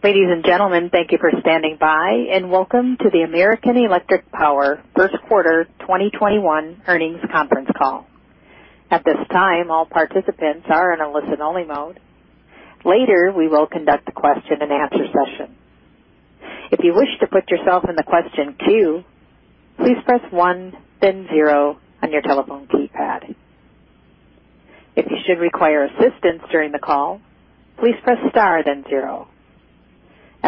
Ladies and gentlemen, thank you for standing by, and welcome to the American Electric Power First Quarter 2021 Earnings Conference Call. At this time, all participants are in a listen-only mode. Later, we will conduct a question-and-answer session. If you wish to put yourself in the question queue, please press one then zero on your telephone keypad. If you should require assistance during the call, please press star then zero.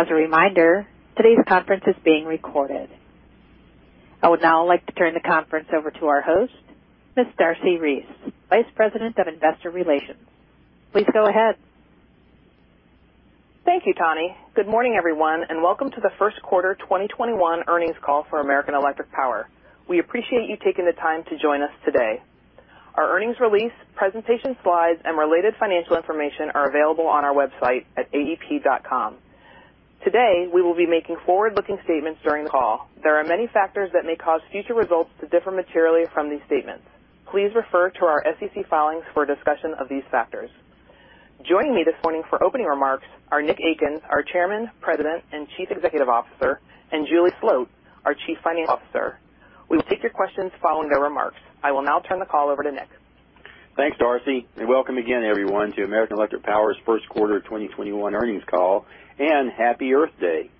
As a reminder, today's conference is being recorded. I would now like to turn the conference over to our host, Ms. Darcy Reese, Vice President of Investor Relations. Please go ahead. Thank you, Tani. Good morning, everyone, and welcome to the first quarter 2021 earnings call for American Electric Power. We appreciate you taking the time to join us today. Our earnings release, presentation slides, and related financial information are available on our website at aep.com. Today, we will be making forward-looking statements during the call. There are many factors that may cause future results to differ materially from these statements. Please refer to our SEC filings for a discussion of these factors. Joining me this morning for opening remarks are Nick Akins, our Chairman, President, and Chief Executive Officer, and Julie Sloat, our Chief Financial Officer. We will take your questions following their remarks. I will now turn the call over to Nick. Thanks, Darcy, and welcome again, everyone, to American Electric Power's First Quarter 2021 Earnings Call, and Happy Earth Day.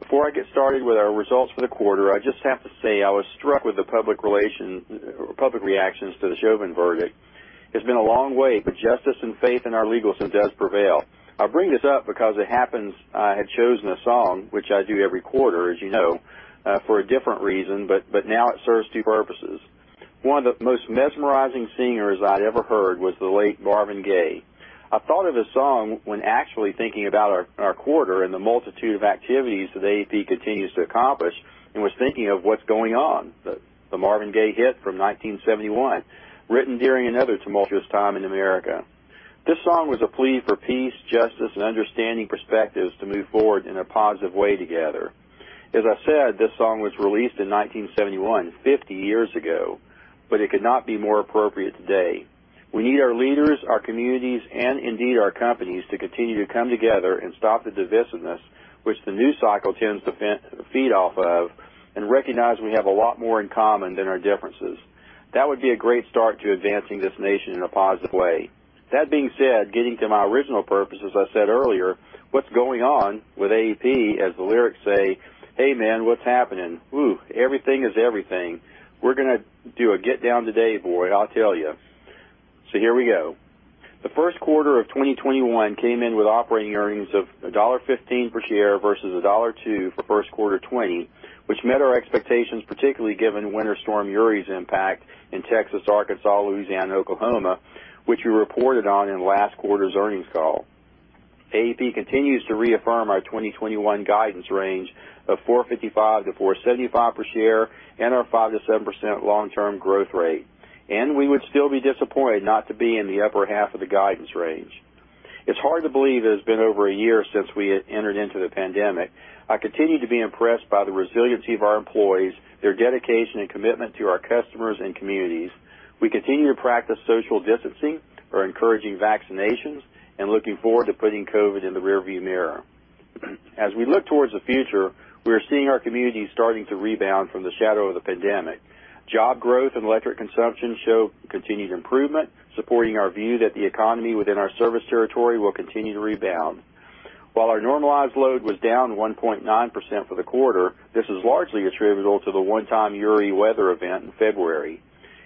Before I get started with our results for the quarter, I just have to say I was struck with the public reactions to the Chauvin verdict. It's been a long wait, but justice and faith in our legal system does prevail. I bring this up because it happens I had chosen a song, which I do every quarter as you know, for a different reason, but now it serves two purposes. One of the most mesmerizing singers I'd ever heard was the late Marvin Gaye. I thought of this song when actually thinking about our quarter and the multitude of activities that AEP continues to accomplish and was thinking of "What's Going On?" the Marvin Gaye hit from 1971, written during another tumultuous time in America. This song was a plea for peace, justice, and understanding perspectives to move forward in a positive way together. As I said, this song was released in 1971, 50 years ago, but it could not be more appropriate today. We need our leaders, our communities, and indeed our companies to continue to come together and stop the divisiveness, which the news cycle tends to feed off of, and recognize we have a lot more in common than our differences. That would be a great start to advancing this nation in a positive way. That being said, getting to my original purpose, as I said earlier, what's going on with AEP, as the lyrics say, "Hey, man, what's happening? Ooh, everything is everything. We're going to do a get down today, boy, I'll tell you." Here we go. The first quarter of 2021 came in with operating earnings of $1.15 per share versus $1.02 for first quarter 2020, which met our expectations, particularly given Winter Storm Uri's impact in Texas, Arkansas, Louisiana, and Oklahoma, which we reported on in last quarter's earnings call. AEP continues to reaffirm our 2021 guidance range of $4.55-$4.75 per share and our 5%-7% long-term growth rate. We would still be disappointed not to be in the upper half of the guidance range. It's hard to believe it has been over a year since we entered into the pandemic. I continue to be impressed by the resiliency of our employees, their dedication and commitment to our customers and communities. We continue to practice social distancing, are encouraging vaccinations, and looking forward to putting COVID in the rearview mirror. As we look towards the future, we are seeing our communities starting to rebound from the shadow of the pandemic. Job growth and electric consumption show continued improvement, supporting our view that the economy within our service territory will continue to rebound. While our normalized load was down 1.9% for the quarter, this is largely attributable to the one-time Uri weather event in February.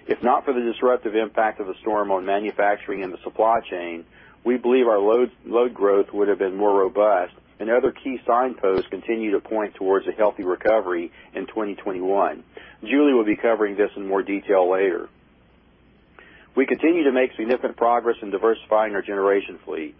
If not for the disruptive impact of the storm on manufacturing and the supply chain, we believe our load growth would have been more robust, and other key signposts continue to point towards a healthy recovery in 2021. Julie will be covering this in more detail later. We continue to make significant progress in diversifying our generation fleet.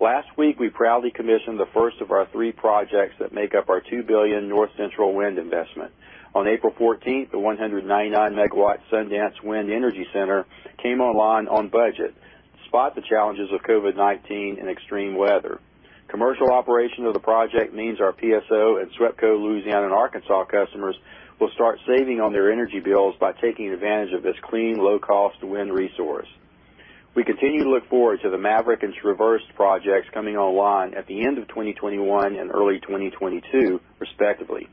Last week, we proudly commissioned the first of our three projects that make up our 2 billion North Central wind investment. On April 14th, the 199-MW Sundance Wind Energy Center came online on budget, despite the challenges of COVID-19 and extreme weather. Commercial operation of the project means our PSO and SWEPCO Louisiana and Arkansas customers will start saving on their energy bills by taking advantage of this clean, low-cost wind resource. We continue to look forward to the Maverick and Traverse projects coming online at the end of 2021 and early 2022, respectively.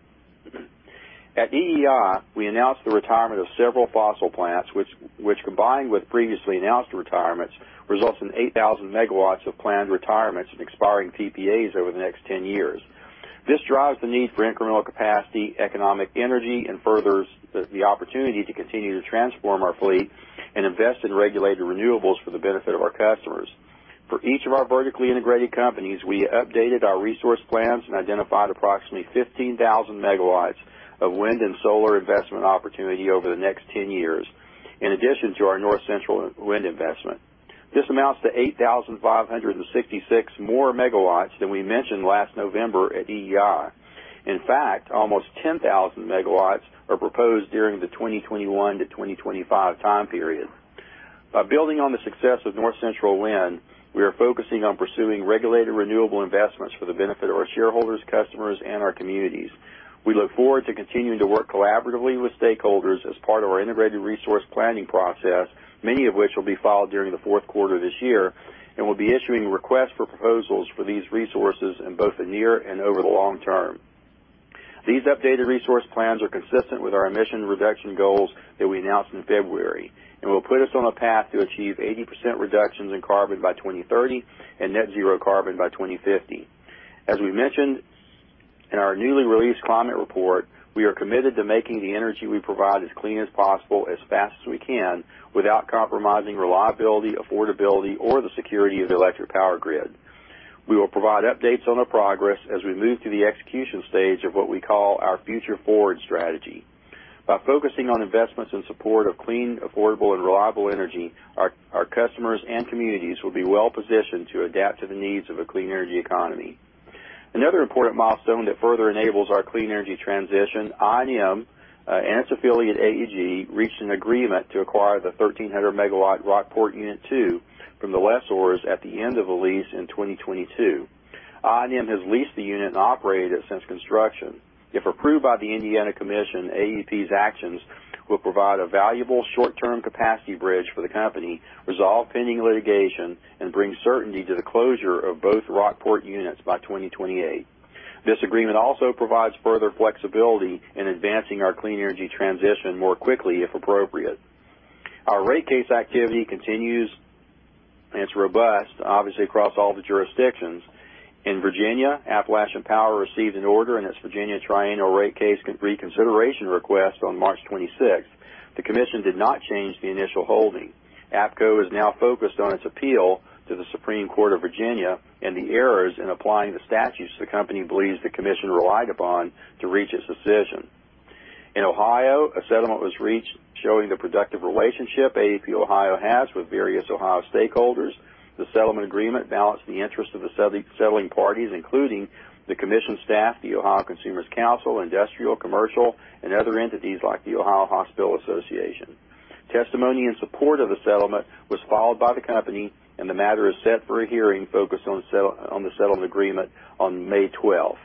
At EEI, we announced the retirement of several fossil plants, which combined with previously announced retirements, results in 8,000 MW of planned retirements and expiring PPAs over the next 10 years. This drives the need for incremental capacity, economic energy, and furthers the opportunity to continue to transform our fleet and invest in regulated renewables for the benefit of our customers. For each of our vertically integrated companies, we updated our resource plans and identified approximately 15,000 MW of wind and solar investment opportunity over the next 10 years. In addition to our North Central wind investment. This amounts to 8,566 more megawatts than we mentioned last November at EEI. In fact, almost 10,000 MW are proposed during the 2021-2025 time period. By building on the success of North Central wind, we are focusing on pursuing regulated renewable investments for the benefit of our shareholders, customers, and our communities. We look forward to continuing to work collaboratively with stakeholders as part of our integrated resource planning process, many of which will be filed during the fourth quarter this year, and we'll be issuing requests for proposals for these resources in both the near and over the long term. These updated resource plans are consistent with our emission reduction goals that we announced in February and will put us on a path to achieve 80% reductions in carbon by 2030 and net zero carbon by 2050. As we mentioned in our newly released climate report, we are committed to making the energy we provide as clean as possible, as fast as we can, without compromising reliability, affordability, or the security of the electric power grid. We will provide updates on the progress as we move to the execution stage of what we call our Future Forward strategy. By focusing on investments in support of clean, affordable, and reliable energy, our customers and communities will be well-positioned to adapt to the needs of a clean energy economy. Another important milestone that further enables our clean energy transition, I&M and its affiliate, AEG, reached an agreement to acquire the 1,300-MW Rockport Unit 2 from the lessors at the end of the lease in 2022. I&M has leased the unit and operated it since construction. If approved by the Indiana Commission, AEP's actions will provide a valuable short-term capacity bridge for the company, resolve pending litigation, and bring certainty to the closure of both Rockport units by 2028. This agreement also provides further flexibility in advancing our clean energy transition more quickly, if appropriate. Our rate case activity continues, and it's robust, obviously, across all the jurisdictions. In Virginia, Appalachian Power received an order in its Virginia triennial rate case reconsideration request on March 26th. The commission did not change the initial holding. APCo is now focused on its appeal to the Supreme Court of Virginia and the errors in applying the statutes the company believes the commission relied upon to reach its decision. Ohio, a settlement was reached showing the productive relationship AEP Ohio has with various Ohio stakeholders. The settlement agreement balanced the interest of the settling parties, including the commission staff, the Ohio Consumers' Counsel, industrial, commercial, and other entities like the Ohio Hospital Association. Testimony in support of the settlement was followed by the company, and the matter is set for a hearing focused on the settlement agreement on May 12th.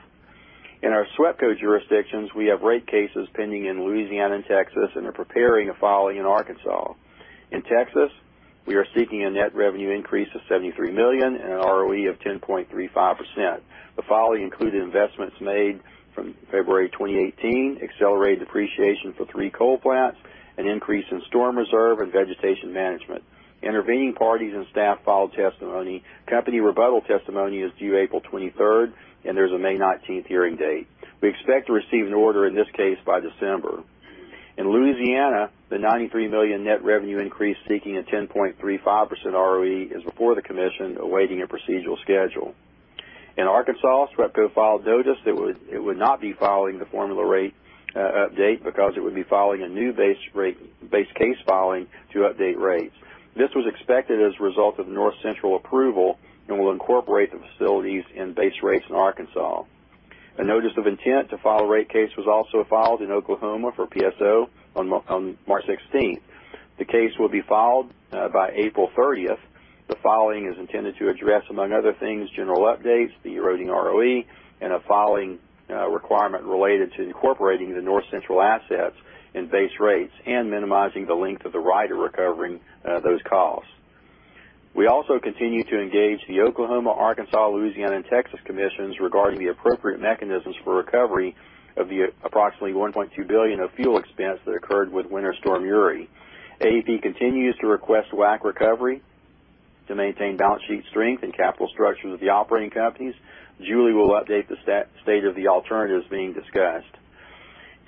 Our SWEPCO jurisdictions, we have rate cases pending in Louisiana and Texas and are preparing a filing in Arkansas. Texas, we are seeking a net revenue increase of $73 million and an ROE of 10.35%. The filing included investments made from February 2018, accelerated depreciation for three coal plants, an increase in storm reserve, and vegetation management. Intervening parties and staff filed testimony. Company rebuttal testimony is due April 23rd, and there's a May 19th hearing date. We expect to receive an order in this case by December. In Louisiana, the $93 million net revenue increase seeking a 10.35% ROE is before the commission, awaiting a procedural schedule. In Arkansas, SWEPCO filed notice that it would not be filing the formula rate update because it would be filing a new base case filing to update rates. This was expected as a result of North Central approval and will incorporate the facilities in base rates in Arkansas. A notice of intent to file a rate case was also filed in Oklahoma for PSO on March 16th. The case will be filed by April 30th. The filing is intended to address, among other things, general updates, the eroding ROE, and a filing requirement related to incorporating the North Central assets in base rates and minimizing the length of the rider recovering those costs. We also continue to engage the Oklahoma, Arkansas, Louisiana, and Texas Commissions regarding the appropriate mechanisms for recovery of the approximately $1.2 billion of fuel expense that occurred with Winter Storm Uri. AEP continues to request WACC recovery to maintain balance sheet strength and capital structure of the operating companies. Julie will update the state of the alternatives being discussed.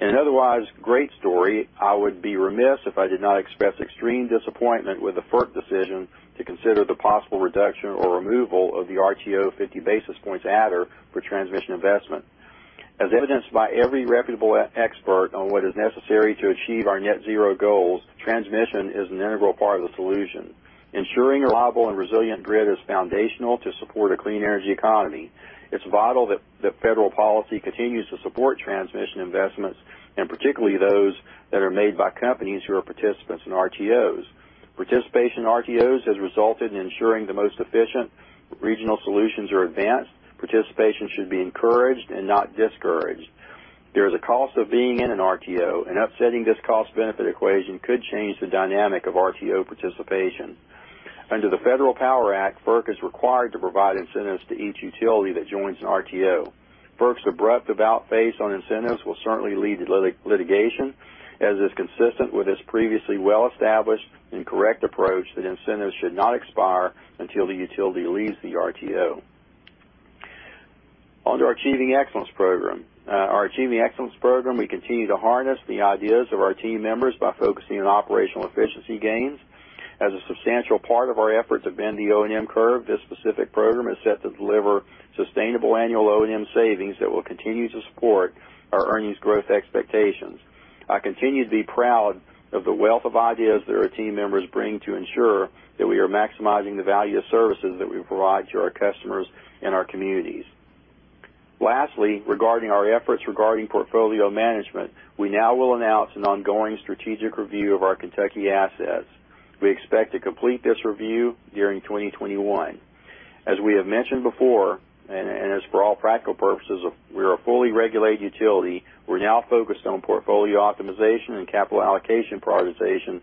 In an otherwise great story, I would be remiss if I did not express extreme disappointment with the FERC decision to consider the possible reduction or removal of the RTO 50 basis points adder for transmission investment. As evidenced by every reputable expert on what is necessary to achieve our net zero goals, transmission is an integral part of the solution. Ensuring a reliable and resilient grid is foundational to support a clean energy economy. It's vital that federal policy continues to support transmission investments, and particularly those that are made by companies who are participants in RTOs. Participation in RTOs has resulted in ensuring the most efficient regional solutions are advanced. Participation should be encouraged and not discouraged. There is a cost of being in an RTO, and upsetting this cost-benefit equation could change the dynamic of RTO participation. Under the Federal Power Act, FERC is required to provide incentives to each utility that joins an RTO. FERC's abrupt about-face on incentives will certainly lead to litigation, as is consistent with its previously well-established and correct approach that incentives should not expire until the utility leaves the RTO. On to our Achieving Excellence program. Our Achieving Excellence program, we continue to harness the ideas of our team members by focusing on operational efficiency gains. As a substantial part of our efforts have been the O&M curve, this specific program is set to deliver sustainable annual O&M savings that will continue to support our earnings growth expectations. I continue to be proud of the wealth of ideas that our team members bring to ensure that we are maximizing the value of services that we provide to our customers and our communities. Lastly, regarding our efforts regarding portfolio management, we now will announce an ongoing strategic review of our Kentucky assets. We expect to complete this review during 2021. As we have mentioned before, and as for all practical purposes, we are a fully regulated utility. We're now focused on portfolio optimization and capital allocation prioritization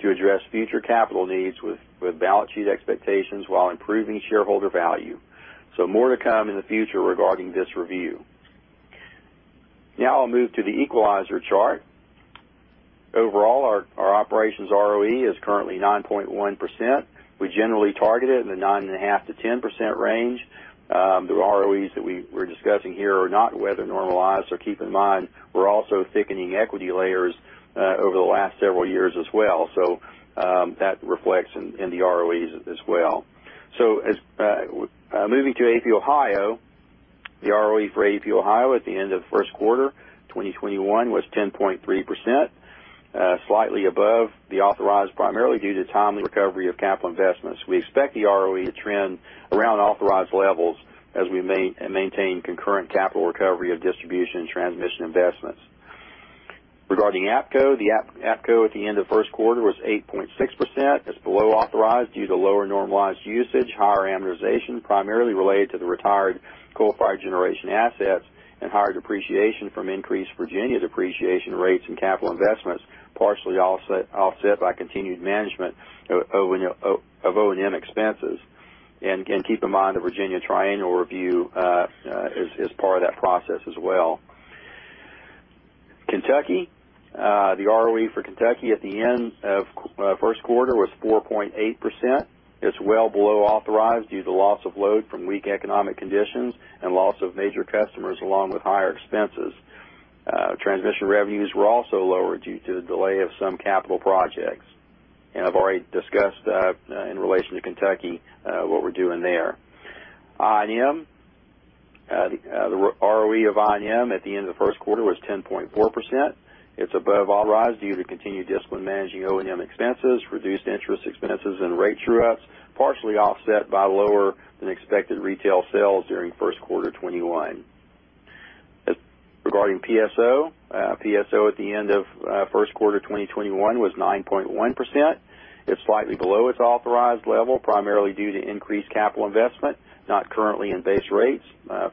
to address future capital needs with balance sheet expectations while improving shareholder value. More to come in the future regarding this review. Now I'll move to the equalizer chart. Overall, our operations ROE is currently 9.1%. We generally target it in the 9.5%-10% range. The ROEs that we're discussing here are not weather-normalized, so keep in mind, we're also thickening equity layers over the last several years as well. That reflects in the ROEs as well. Moving to AEP Ohio, the ROE for AEP Ohio at the end of the first quarter 2021 was 10.3%, slightly above the authorized, primarily due to timely recovery of capital investments. We expect the ROE to trend around authorized levels as we maintain concurrent capital recovery of distribution and transmission investments. Regarding APCo, the APCo at the end of first quarter was 8.6%. It's below authorized due to lower normalized usage, higher amortization, primarily related to the retired coal-fired generation assets, and higher depreciation from increased Virginia depreciation rates and capital investments, partially offset by continued management of O&M expenses. Keep in mind, the Virginia triennial review is part of that process as well. Kentucky, the ROE for Kentucky at the end of first quarter was 4.8%. It's well below authorized due to loss of load from weak economic conditions and loss of major customers along with higher expenses. Transmission revenues were also lower due to the delay of some capital projects. I've already discussed that in relation to Kentucky, what we're doing there. I&M. The ROE of I&M at the end of the first quarter was 10.4%. It's above authorized due to continued discipline managing O&M expenses, reduced interest expenses and rate true-ups, partially offset by lower-than-expected retail sales during first quarter 2021. Regarding PSO. PSO at the end of first quarter 2021 was 9.1%. It's slightly below its authorized level, primarily due to increased capital investment, not currently in base rates,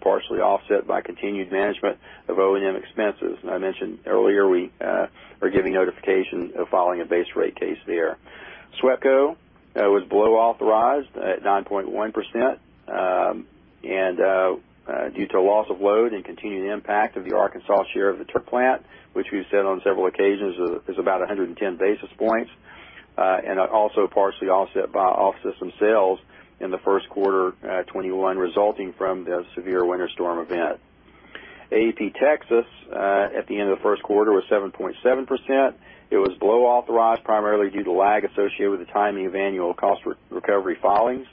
partially offset by continued management of O&M expenses. I mentioned earlier we are giving notification of filing a base rate case there. SWEPCO was below authorized at 9.1%, and due to a loss of load and continued impact of the Arkansas share of the Turk plant, which we've said on several occasions is about 110 basis points, and also partially offset by off-system sales in the first quarter 2021, resulting from the severe winter storm event. AEP Texas at the end of the first quarter was 7.7%. It was below authorized, primarily due to lag associated with the timing of annual cost recovery filings.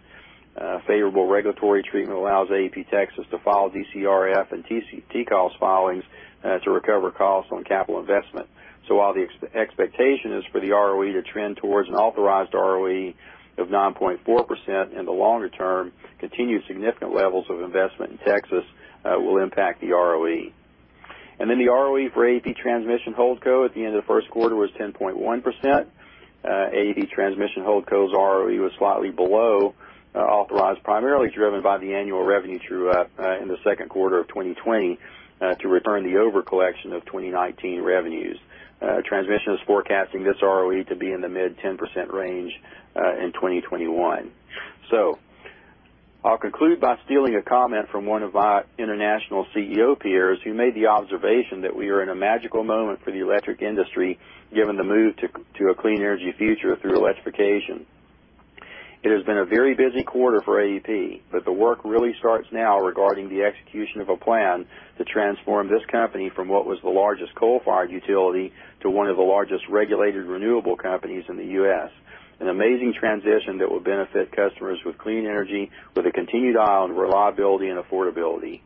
Favorable regulatory treatment allows AEP Texas to file DCRF and TCOS filings to recover costs on capital investment. While the expectation is for the ROE to trend towards an authorized ROE of 9.4% in the longer term, continued significant levels of investment in Texas will impact the ROE. The ROE for AEP Transmission Holdco at the end of the first quarter was 10.1%. AEP Transmission Holdco's ROE was slightly below authorized, primarily driven by the annual revenue true-up in the second quarter of 2020 to return the over-collection of 2019 revenues. Transmission is forecasting this ROE to be in the mid-10% range in 2021. I'll conclude by stealing a comment from one of our international CEO peers who made the observation that we are in a magical moment for the electric industry, given the move to a clean energy future through electrification. It has been a very busy quarter for AEP, but the work really starts now regarding the execution of a plan to transform this company from what was the largest coal-fired utility to one of the largest regulated renewable companies in the U.S. An amazing transition that will benefit customers with clean energy with a continued eye on reliability and affordability.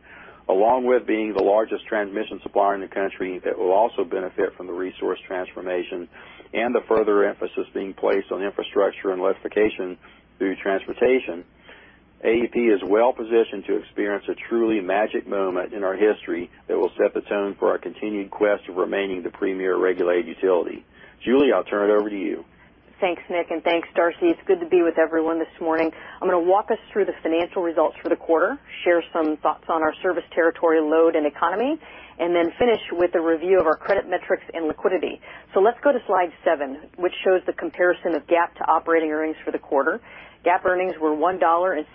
Along with being the largest transmission supplier in the country that will also benefit from the resource transformation and the further emphasis being placed on infrastructure and electrification through transportation. AEP is well-positioned to experience a truly magic moment in our history that will set the tone for our continued quest of remaining the premier regulated utility. Julie, I'll turn it over to you. Thanks, Nick, and thanks, Darcy. It's good to be with everyone this morning. I'm going to walk us through the financial results for the quarter, share some thoughts on our service territory load and economy, and then finish with a review of our credit metrics and liquidity. Let's go to slide seven, which shows the comparison of GAAP to operating earnings for the quarter. GAAP earnings were $1.16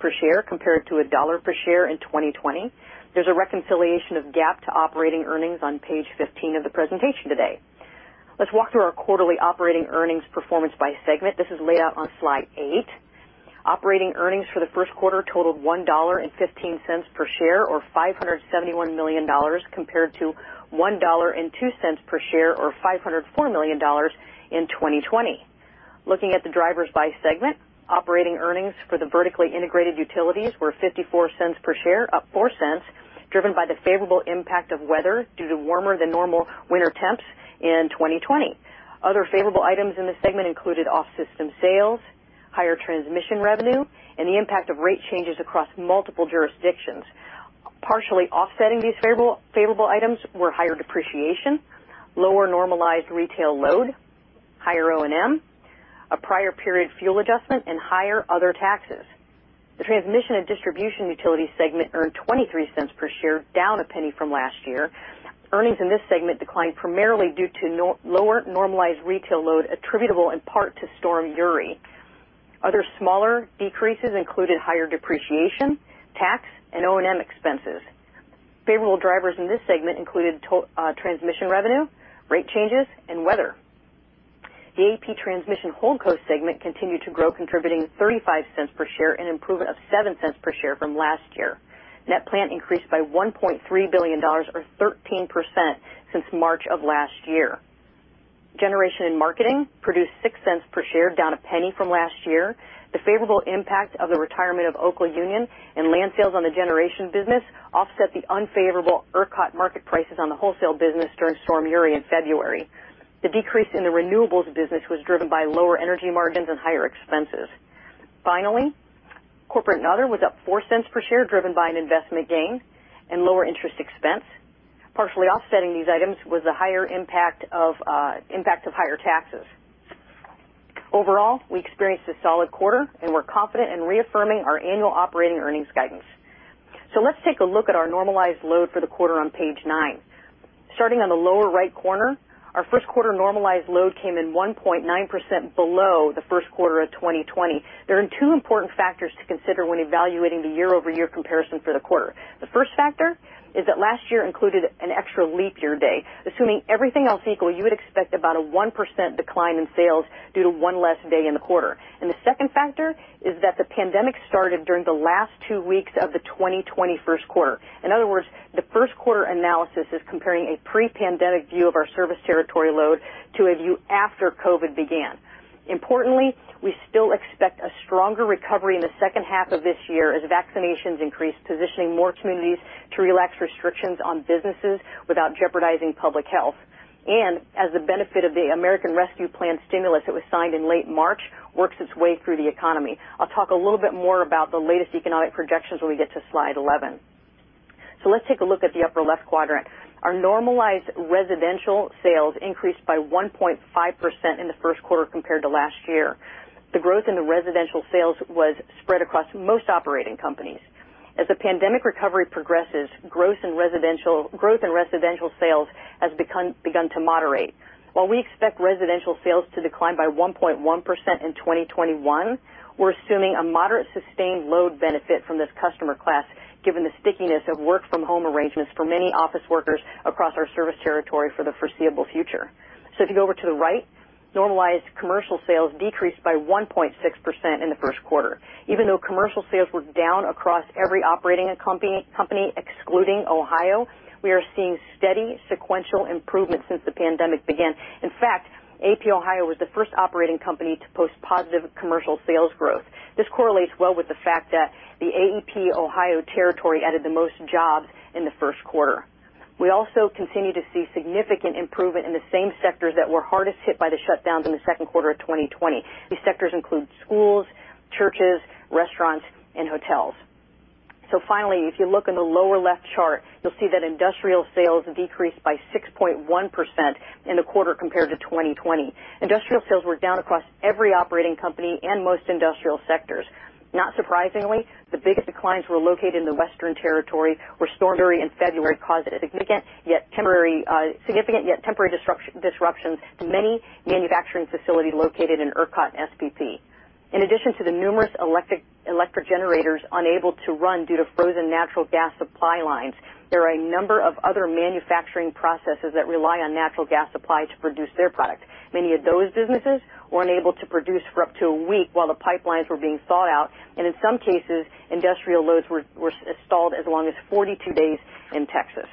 per share compared to $1 per share in 2020. There's a reconciliation of GAAP to operating earnings on page 15 of the presentation today. Let's walk through our quarterly operating earnings performance by segment. This is laid out on slide eight. Operating earnings for the first quarter totaled $1.15 per share or $571 million compared to $1.02 per share or $504 million in 2020. Looking at the drivers by segment, operating earnings for the vertically integrated utilities were $0.54 per share, up $0.04, driven by the favorable impact of weather due to warmer-than-normal winter temps in 2020. Other favorable items in this segment included off-system sales, higher transmission revenue, and the impact of rate changes across multiple jurisdictions. Partially offsetting these favorable items were higher depreciation, lower normalized retail load, higher O&M, a prior period fuel adjustment, and higher other taxes. The transmission and distribution utility segment earned $0.23 per share, down $0.01 from last year. Earnings in this segment declined primarily due to lower normalized retail load attributable in part to Storm Uri. Other smaller decreases included higher depreciation, tax, and O&M expenses. Favorable drivers in this segment included transmission revenue, rate changes, and weather. The AEP Transmission Holdco segment continued to grow, contributing $0.35 per share, an improvement of $0.07 per share from last year. Net plant increased by $1.3 billion, or 13%, since March of last year. Generation and marketing produced $0.06 per share, down $0.01 from last year. The favorable impact of the retirement of Oklaunion and land sales on the generation business offset the unfavorable ERCOT market prices on the wholesale business during Storm Uri in February. The decrease in the renewables business was driven by lower energy margins and higher expenses. Finally, corporate and other was up $0.04 per share, driven by an investment gain and lower interest expense. Partially offsetting these items was the impact of higher taxes. Overall, we experienced a solid quarter, and we're confident in reaffirming our annual operating earnings guidance. Let's take a look at our normalized load for the quarter on page nine. Starting on the lower right corner, our first quarter normalized load came in 1.9% below the first quarter of 2020. There are two important factors to consider when evaluating the year-over-year comparison for the quarter. The first factor is that last year included an extra leap year day. Assuming everything else equal, you would expect about a 1% decline in sales due to one less day in the quarter. The second factor is that the pandemic started during the last two weeks of the 2020 first quarter. In other words, the first quarter analysis is comparing a pre-pandemic view of our service territory load to a view after COVID began. Importantly, we still expect a stronger recovery in the second half of this year as vaccinations increase, positioning more communities to relax restrictions on businesses without jeopardizing public health, as the benefit of the American Rescue Plan stimulus that was signed in late March works its way through the economy. I'll talk a little bit more about the latest economic projections when we get to slide 11. Let's take a look at the upper-left quadrant. Our normalized residential sales increased by 1.5% in the first quarter compared to last year. The growth in the residential sales was spread across most operating companies. As the pandemic recovery progresses, growth in residential sales has begun to moderate. While we expect residential sales to decline by 1.1% in 2021, we're assuming a moderate sustained load benefit from this customer class, given the stickiness of work-from-home arrangements for many office workers across our service territory for the foreseeable future. If you go over to the right, normalized commercial sales decreased by 1.6% in the first quarter. Even though commercial sales were down across every operating company, excluding Ohio, we are seeing steady sequential improvement since the pandemic began. In fact, AEP Ohio was the first operating company to post positive commercial sales growth. This correlates well with the fact that the AEP Ohio territory added the most jobs in the first quarter. We also continue to see significant improvement in the same sectors that were hardest hit by the shutdowns in the second quarter of 2020. These sectors include schools, churches, restaurants, and hotels. Finally, if you look in the lower-left chart, you'll see that industrial sales decreased by 6.1% in the quarter compared to 2020. Industrial sales were down across every operating company and most industrial sectors. Not surprisingly, the biggest declines were located in the western territory, where Storm Uri in February caused a significant yet temporary disruptions to many manufacturing facilities located in ERCOT and SPP. In addition to the numerous electric generators unable to run due to frozen natural gas supply lines, there are a number of other manufacturing processes that rely on natural gas supply to produce their product. Many of those businesses were unable to produce for up to a week while the pipelines were being thawed out, and in some cases, industrial loads were stalled as long as 42 days in Texas.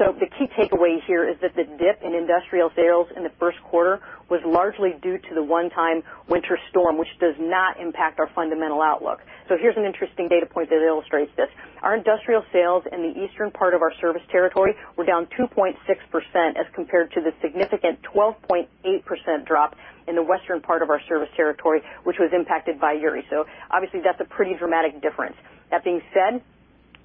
The key takeaway here is that the dip in industrial sales in the first quarter was largely due to the one-time winter storm, which does not impact our fundamental outlook. Here's an interesting data point that illustrates this. Our industrial sales in the eastern part of our service territory were down 2.6% as compared to the significant 12.8% drop in the western part of our service territory, which was impacted by Uri. Obviously, that's a pretty dramatic difference. That being said,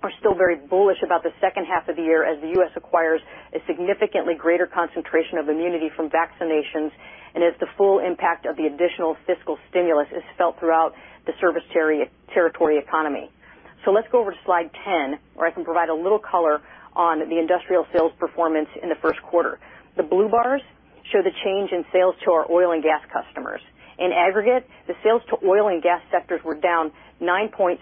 we're still very bullish about the second half of the year as the U.S. acquires a significantly greater concentration of immunity from vaccinations and as the full impact of the additional fiscal stimulus is felt throughout the service territory economy. Let's go over to slide 10, where I can provide a little color on the industrial sales performance in the first quarter. The blue bars show the change in sales to our oil and gas customers. In aggregate, the sales to oil and gas sectors were down 9.6%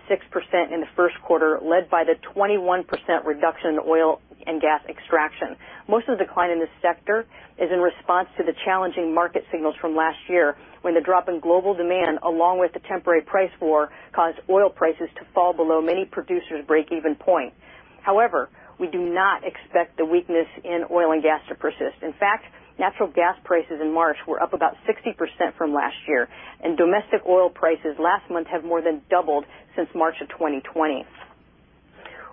in the first quarter, led by the 21% reduction in oil and gas extraction. Most of the decline in this sector is in response to the challenging market signals from last year, when the drop in global demand, along with the temporary price war, caused oil prices to fall below many producers' break-even point. However, we do not expect the weakness in oil and gas to persist. In fact, natural gas prices in March were up about 60% from last year, and domestic oil prices last month have more than doubled since March of 2020.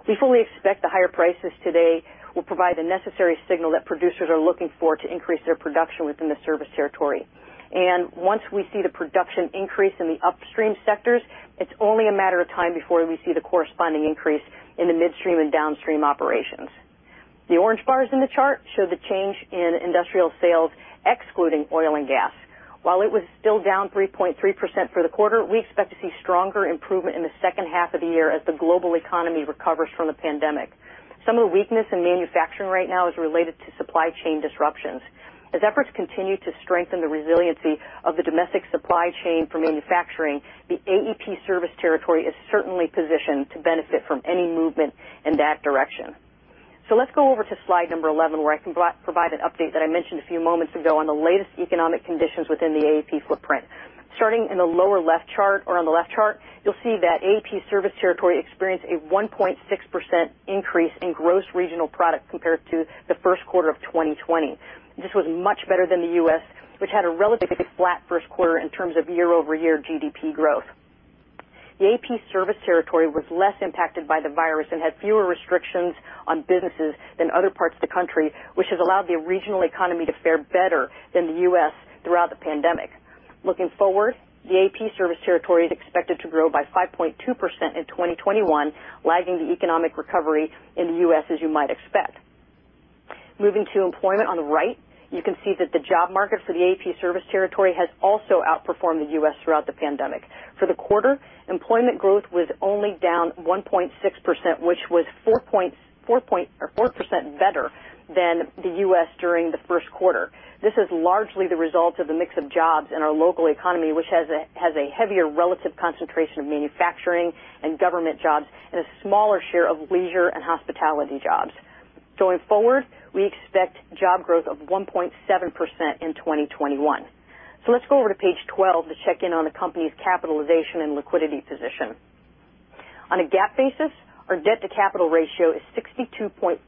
We fully expect the higher prices today will provide the necessary signal that producers are looking for to increase their production within the service territory. Once we see the production increase in the upstream sectors, it's only a matter of time before we see the corresponding increase in the midstream and downstream operations. The orange bars in the chart show the change in industrial sales excluding oil and gas. While it was still down 3.3% for the quarter, we expect to see stronger improvement in the second half of the year as the global economy recovers from the pandemic. Some of the weakness in manufacturing right now is related to supply chain disruptions. As efforts continue to strengthen the resiliency of the domestic supply chain for manufacturing, the AEP service territory is certainly positioned to benefit from any movement in that direction. let's go over to slide number 11, where I can provide an update that I mentioned a few moments ago on the latest economic conditions within the AEP footprint. Starting in the lower left chart, or on the left chart, you'll see that AEP service territory experienced a 1.6% increase in gross regional product compared to the first quarter of 2020. This was much better than the U.S., which had a relatively flat first quarter in terms of year-over-year GDP growth. The AEP service territory was less impacted by the virus and had fewer restrictions on businesses than other parts of the country, which has allowed the regional economy to fare better than the U.S. throughout the pandemic. Looking forward, the AEP service territory is expected to grow by 5.2% in 2021, lagging the economic recovery in the U.S., as you might expect. Moving to employment on the right, you can see that the job market for the AEP service territory has also outperformed the U.S. throughout the pandemic. For the quarter, employment growth was only down 1.6%, which was 4% better than the U.S. during the first quarter. This is largely the result of the mix of jobs in our local economy, which has a heavier relative concentration of manufacturing and government jobs and a smaller share of leisure and hospitality jobs. Going forward, we expect job growth of 1.7% in 2021. Let's go over to page 12 to check in on the company's capitalization and liquidity position. On a GAAP basis, our debt-to-capital ratio is 62.5%.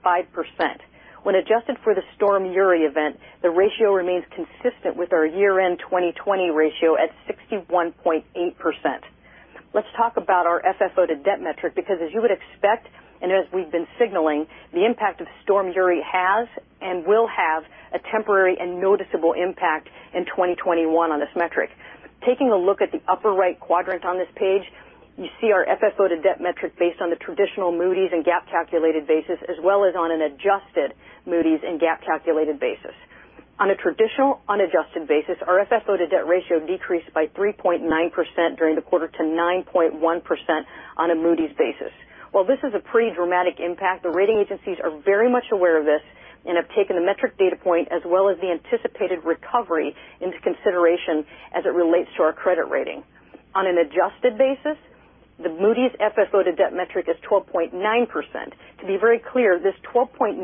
When adjusted for the Storm Uri event, the ratio remains consistent with our year-end 2020 ratio at 61.8%. Let's talk about our FFO-to-debt metric, because as you would expect and as we've been signaling, the impact of Storm Uri has and will have a temporary and noticeable impact in 2021 on this metric. Taking a look at the upper-right quadrant on this page, you see our FFO-to-debt metric based on the traditional Moody's and GAAP-calculated basis, as well as on an adjusted Moody's and GAAP-calculated basis. On a traditional unadjusted basis, our FFO-to-debt ratio decreased by 3.9% during the quarter to 9.1% on a Moody's basis. While this is a pretty dramatic impact, the rating agencies are very much aware of this and have taken the metric data point as well as the anticipated recovery into consideration as it relates to our credit rating. On an adjusted basis, the Moody's FFO-to-debt metric is 12.9%. To be very clear, this 12.9%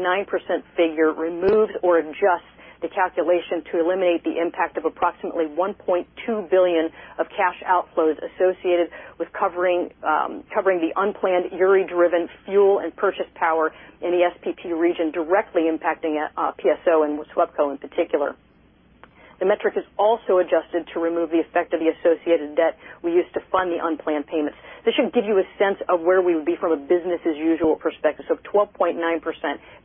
figure removes or adjusts the calculation to eliminate the impact of approximately $1.2 billion of cash outflows associated with covering the unplanned Uri-driven fuel and purchase power in the SPP region directly impacting PSO and SWEPCO in particular. The metric is also adjusted to remove the effect of the associated debt we used to fund the unplanned payments. This should give you a sense of where we would be from a business-as-usual perspective, so 12.9%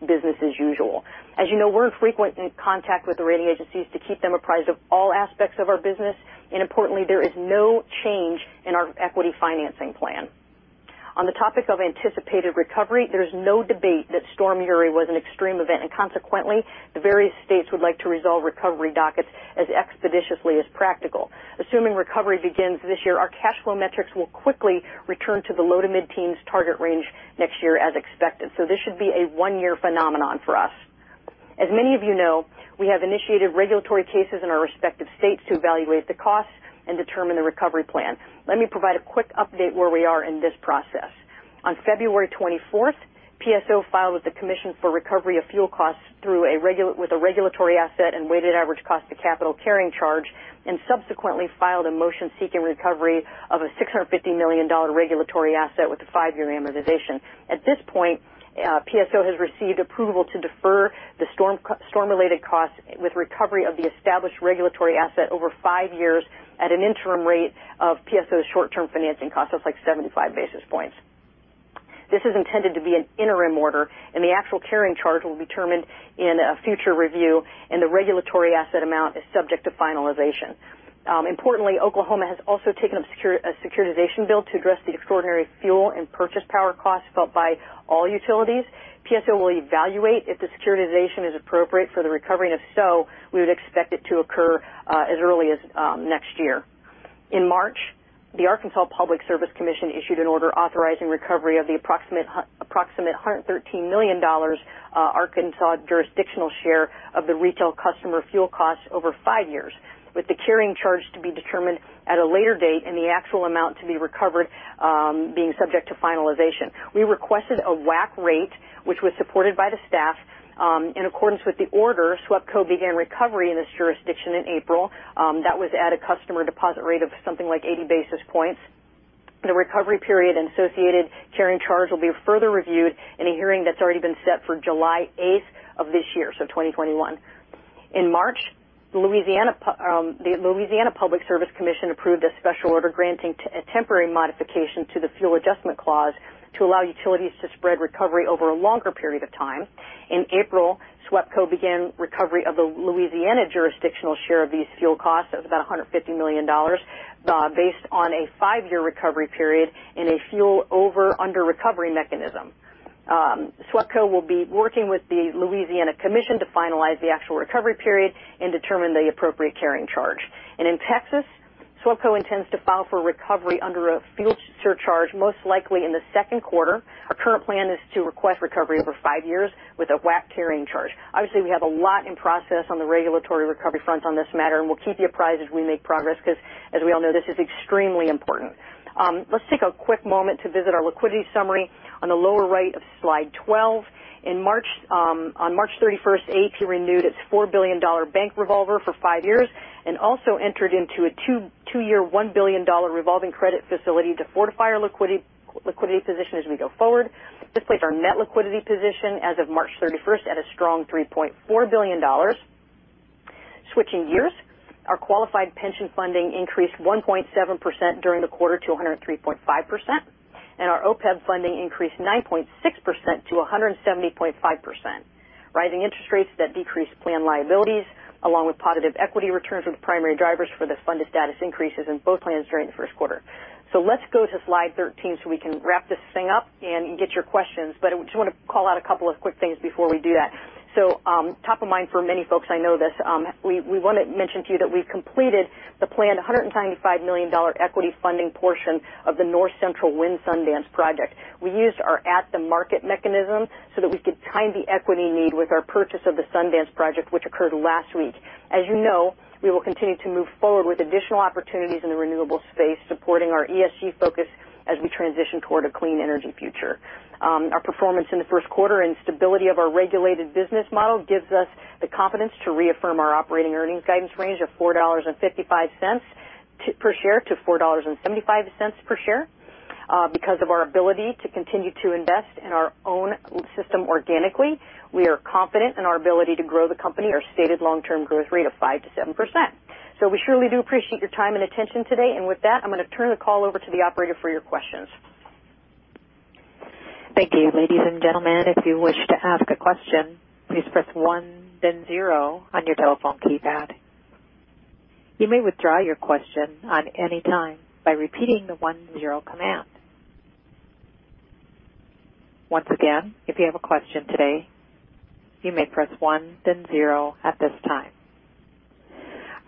business as usual. As you know, we're in frequent contact with the rating agencies to keep them apprised of all aspects of our business, and importantly, there is no change in our equity financing plan. On the topic of anticipated recovery, there's no debate that Storm Uri was an extreme event, and consequently, the various states would like to resolve recovery dockets as expeditiously as practical. Assuming recovery begins this year, our cash flow metrics will quickly return to the low-to-mid-teens target range next year as expected. This should be a one-year phenomenon for us. As many of you know, we have initiated regulatory cases in our respective states to evaluate the costs and determine the recovery plan. Let me provide a quick update where we are in this process. On February 24th, PSO filed with the commission for recovery of fuel costs with a regulatory asset and weighted average cost of capital carrying charge, and subsequently filed a motion seeking recovery of a $650 million regulatory asset with a five-year amortization. At this point, PSO has received approval to defer the storm-related costs with recovery of the established regulatory asset over five years at an interim rate of PSO's short-term financing cost. That's like 75 basis points. This is intended to be an interim order, and the actual carrying charge will be determined in a future review, and the regulatory asset amount is subject to finalization. Importantly, Oklahoma has also taken a securitization bill to address the extraordinary fuel and purchase power costs felt by all utilities. PSO will evaluate if the securitization is appropriate for the recovery, and if so, we would expect it to occur as early as next year. In March, the Arkansas Public Service Commission issued an order authorizing recovery of the approximate $113 million Arkansas jurisdictional share of the retail customer fuel costs over five years, with the carrying charge to be determined at a later date and the actual amount to be recovered being subject to finalization. We requested a WACC rate, which was supported by the staff. In accordance with the order, SWEPCO began recovery in this jurisdiction in April. That was at a customer deposit rate of something like 80 basis points. The recovery period and associated carrying charge will be further reviewed in a hearing that's already been set for July 8th of this year, so 2021. In March, the Louisiana Public Service Commission approved a special order granting a temporary modification to the fuel adjustment clause to allow utilities to spread recovery over a longer period of time. In April, SWEPCO began recovery of the Louisiana jurisdictional share of these fuel costs of about $150 million based on a five-year recovery period in a fuel under-recovery mechanism. SWEPCO will be working with the Louisiana Commission to finalize the actual recovery period and determine the appropriate carrying charge. In Texas, SWEPCO intends to file for recovery under a fuel surcharge, most likely in the second quarter. Our current plan is to request recovery over five years with a WACC carrying charge. Obviously, we have a lot in process on the regulatory recovery front on this matter, and we'll keep you apprised as we make progress, because as we all know, this is extremely important. Let's take a quick moment to visit our liquidity summary on the lower right of slide 12. On March 31st, AEP renewed its $4 billion bank revolver for five years and also entered into a two-year, $1 billion revolving credit facility to fortify our liquidity position as we go forward. This placed our net liquidity position as of March 31st at a strong $3.4 billion. Switching gears, our qualified pension funding increased 1.7% during the quarter to 103.5%, and our OPEB funding increased 9.6% to 170.5%. Rising interest rates that decreased plan liabilities, along with positive equity returns, were the primary drivers for the funded status increases in both plans during the first quarter. Let's go to slide 13 so we can wrap this thing up and get your questions. I just want to call out a couple of quick things before we do that. Top of mind for many folks, I know this. We want to mention to you that we've completed the planned $195 million equity funding portion of the North Central Wind Sundance project. We used our at-the-market mechanism so that we could time the equity need with our purchase of the Sundance project, which occurred last week. As you know, we will continue to move forward with additional opportunities in the renewable space, supporting our ESG focus as we transition toward a clean energy future. Our performance in the first quarter and stability of our regulated business model gives us the confidence to reaffirm our operating earnings guidance range of $4.55-$4.75 per share. Because of our ability to continue to invest in our own system organically, we are confident in our ability to grow the company our stated long-term growth rate of 5% to 7%. We surely do appreciate your time and attention today. I'm going to turn the call over to the operator for your questions.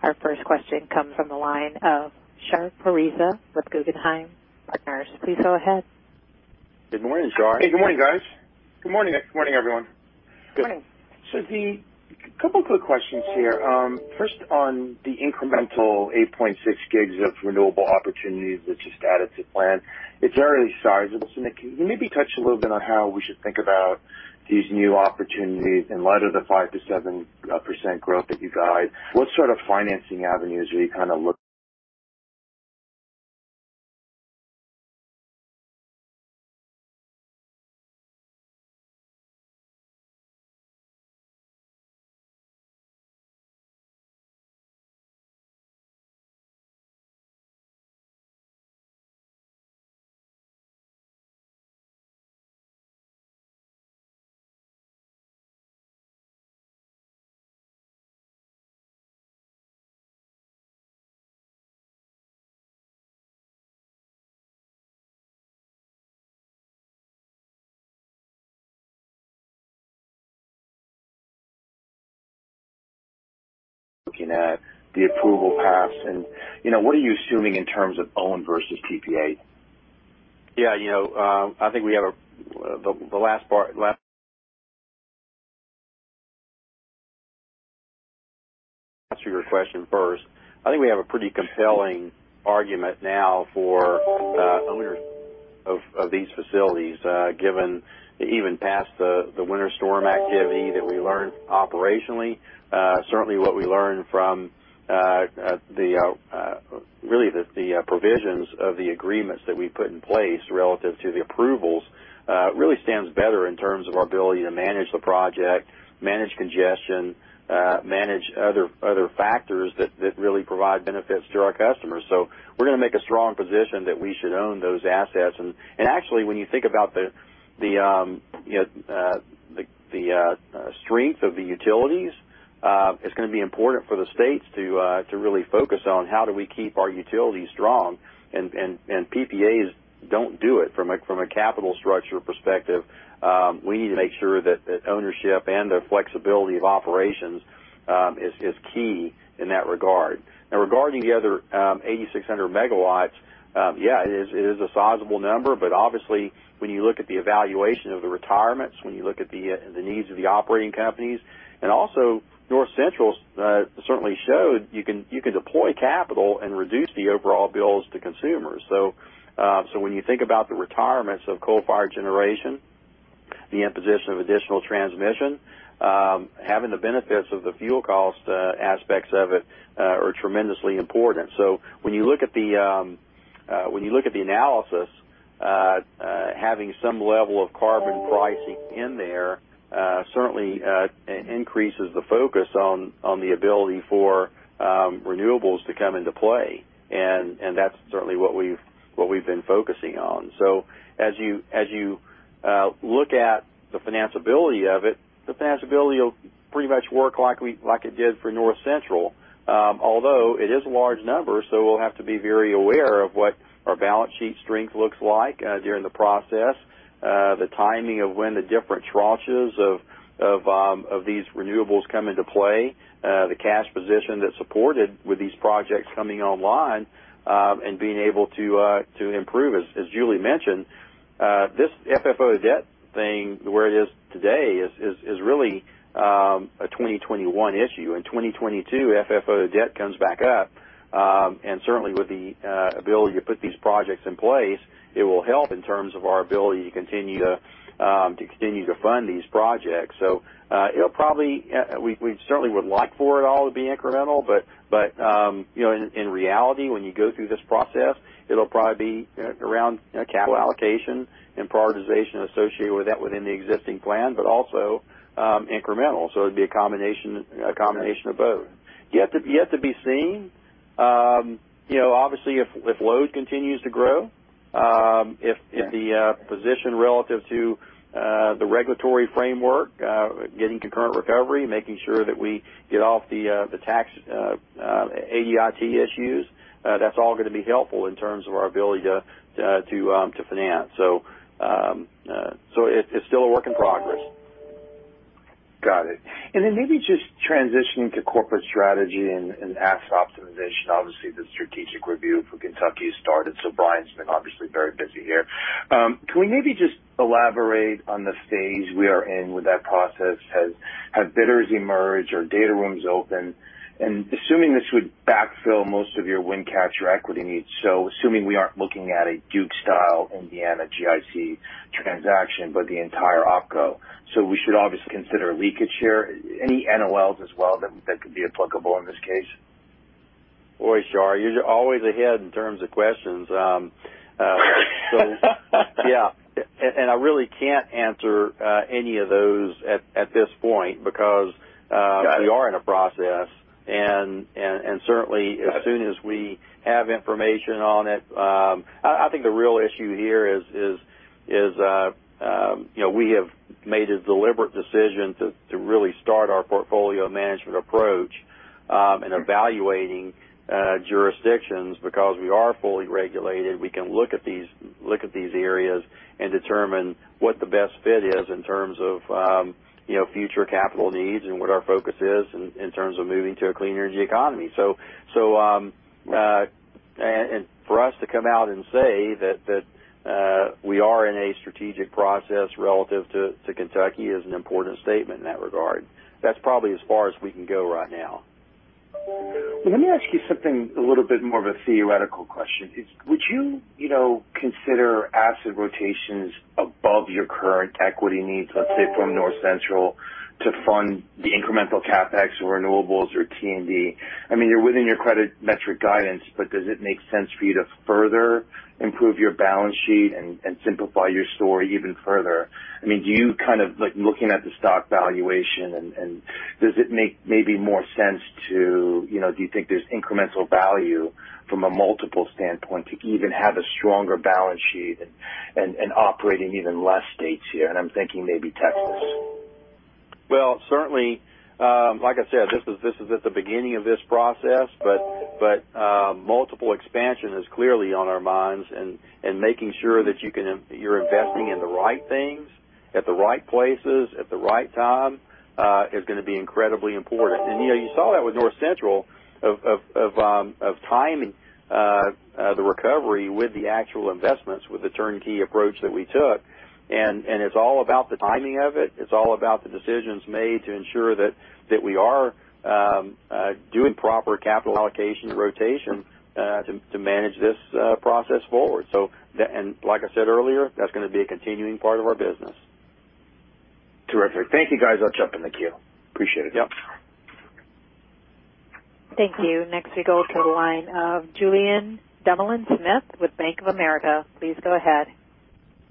Our first question comes from the line of Shar Pourreza with Guggenheim Partners. Please go ahead. Good morning, Shar. Hey, good morning, guys. Good morning, everyone. Good morning. Couple quick questions here. First, on the incremental 8.6 GW of renewable opportunities that you just added to the plan, it's very sizable. Can you maybe touch a little bit on how we should think about these new opportunities in light of the 5%-7% growth that you guide? What sort of financing avenues are you kind of looking at the approval paths? What are you assuming in terms of own versus PPA? Yeah. I think we have the last part answer your question first. I think we have a pretty compelling argument now for owners of these facilities, given even past the winter storm activity that we learned operationally. Certainly what we learned from really the provisions of the agreements that we put in place relative to the approvals really stands better in terms of our ability to manage the project, manage congestion, manage other factors that really provide benefits to our customers. we're going to make a strong position that we should own those assets. actually, when you think about the strength of the utilities, it's going to be important for the states to really focus on how do we keep our utilities strong? PPAs don't do it from a capital structure perspective. We need to make sure that ownership and the flexibility of operations is key in that regard. Regarding the other 8,600 MW, yeah, it is a sizable number. Obviously, when you look at the evaluation of the retirements, when you look at the needs of the operating companies, and also North Central certainly showed you can deploy capital and reduce the overall bills to consumers. When you think about the retirements of coal-fired generation, the imposition of additional transmission, having the benefits of the fuel cost aspects of it are tremendously important. When you look at the analysis, having some level of carbon pricing in there certainly increases the focus on the ability for renewables to come into play, and that's certainly what we've been focusing on. As you look at the financeability of it, the financeability will pretty much work like it did for North Central. Although it is a large number, so we'll have to be very aware of what our balance sheet strength looks like during the process, the timing of when the different tranches of these renewables come into play, the cash position that's supported with these projects coming online, and being able to improve, as Julie mentioned. This FFO debt thing, where it is today is really a 2021 issue. In 2022, FFO debt comes back up. certainly with the ability to put these projects in place, it will help in terms of our ability to continue to fund these projects. We certainly would like for it all to be incremental, but in reality, when you go through this process, it'll probably be around capital allocation and prioritization associated with that within the existing plan, but also incremental. it'd be a combination of both. Yet to be seen. Obviously, if load continues to grow, if the position relative to the regulatory framework, getting concurrent recovery, making sure that we get off the tax ADIT issues, that's all going to be helpful in terms of our ability to finance. it's still a work in progress. Got it. Then maybe just transitioning to corporate strategy and asset optimization. Obviously, the strategic review for Kentucky has started, so Brian's been obviously very busy here. Can we maybe just elaborate on the phase we are in with that process? Have bidders emerged? Are data rooms open? Assuming this would backfill most of your wind capture equity needs, so assuming we aren't looking at a Duke-style Indiana GIC transaction, but the entire OpCo. We should obviously consider leakage here. Any NOLs as well that could be applicable in this case? Boy, Shar, you're always ahead in terms of questions. Yeah. I really can't answer any of those at this point because- Got it We are in a process. Certainly as soon as we have information on it. I think the real issue here is we have made a deliberate decision to really start our portfolio management approach in evaluating jurisdictions because we are fully regulated. We can look at these areas and determine what the best fit is in terms of future capital needs and what our focus is in terms of moving to a clean energy economy. For us to come out and say that we are in a strategic process relative to Kentucky is an important statement in that regard. That's probably as far as we can go right now. Let me ask you something a little bit more of a theoretical question. Would you consider asset rotations above your current equity needs, let's say, from North Central to fund the incremental CapEx or renewables or T&D? You're within your credit metric guidance, but does it make sense for you to further improve your balance sheet and simplify your story even further? Looking at the stock valuation, does it make maybe more sense to, do you think there's incremental value from a multiple standpoint to even have a stronger balance sheet and operating even less states here? I'm thinking maybe Texas. Well, certainly, like I said, this is at the beginning of this process, but multiple expansion is clearly on our minds, and making sure that you're investing in the right things at the right places at the right time is going to be incredibly important. You saw that with North Central of timing the recovery with the actual investments, with the turnkey approach that we took. It's all about the timing of it. It's all about the decisions made to ensure that we are doing proper capital allocation and rotation to manage this process forward. Like I said earlier, that's going to be a continuing part of our business. Terrific. Thank you, guys. I'll jump in the queue. Appreciate it. Yep. Thank you. Next we go to the line of Julien Dumoulin-Smith with Bank of America. Please go ahead.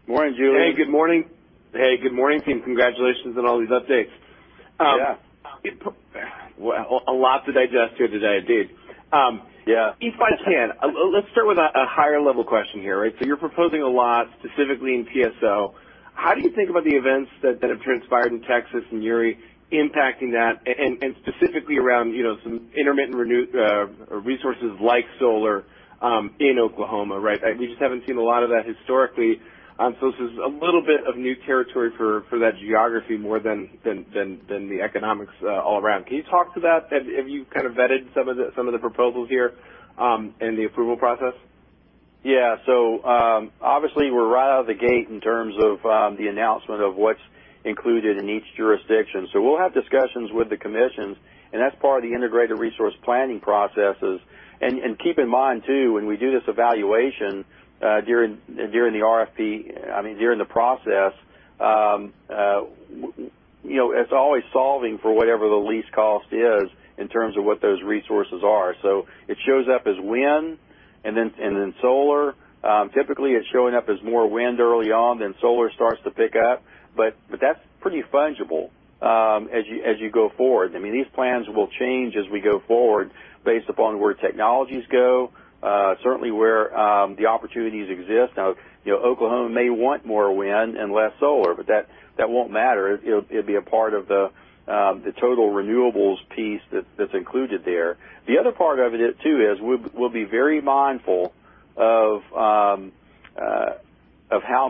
Morning, Julien. Hey, good morning. Hey, good morning, team. Congratulations on all these updates. Yeah. Well, a lot to digest here today, indeed. Yeah. If I can, let's start with a higher level question here. You're proposing a lot specifically in PSO. How do you think about the events that have transpired in Texas and Uri impacting that and specifically around some intermittent resources like solar in Oklahoma? We just haven't seen a lot of that historically. This is a little bit of new territory for that geography more than the economics all around. Can you talk to that? Have you vetted some of the proposals here in the approval process? Yeah. Obviously we're right out of the gate in terms of the announcement of what's included in each jurisdiction. We'll have discussions with the commissions, and that's part of the integrated resource planning processes. Keep in mind, too, when we do this evaluation during the RFP, during the process, it's always solving for whatever the least cost is in terms of what those resources are. It shows up as wind. Then solar, typically it's showing up as more wind early on, then solar starts to pick up. That's pretty fungible as you go forward. These plans will change as we go forward based upon where technologies go, certainly where the opportunities exist. Oklahoma may want more wind and less solar, but that won't matter. It'll be a part of the total renewables piece that's included there. The other part of it, too, is we'll be very mindful of how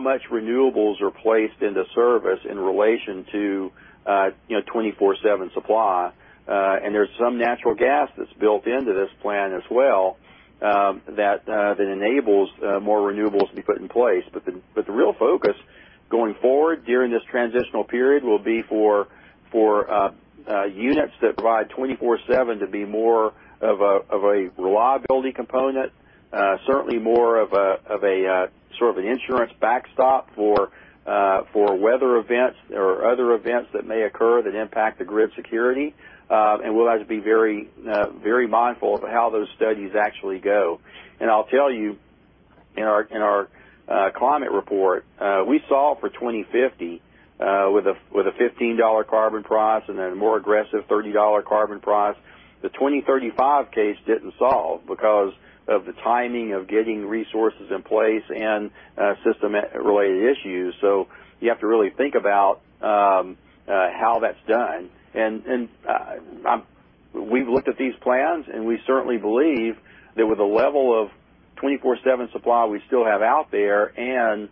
much renewables are placed into service in relation to 24/7 supply. There's some natural gas that's built into this plan as well that enables more renewables to be put in place. The real focus going forward during this transitional period will be for units that provide 24/7 to be more of a reliability component, certainly more of an insurance backstop for weather events or other events that may occur that impact the grid security. We'll have to be very mindful of how those studies actually go. I'll tell you, in our climate report, we solve for 2050 with a $15 carbon price and then a more aggressive $30 carbon price. The 2035 case didn't solve because of the timing of getting resources in place and system-related issues. You have to really think about how that's done. We've looked at these plans, and we certainly believe that with the level of 24/7 supply we still have out there and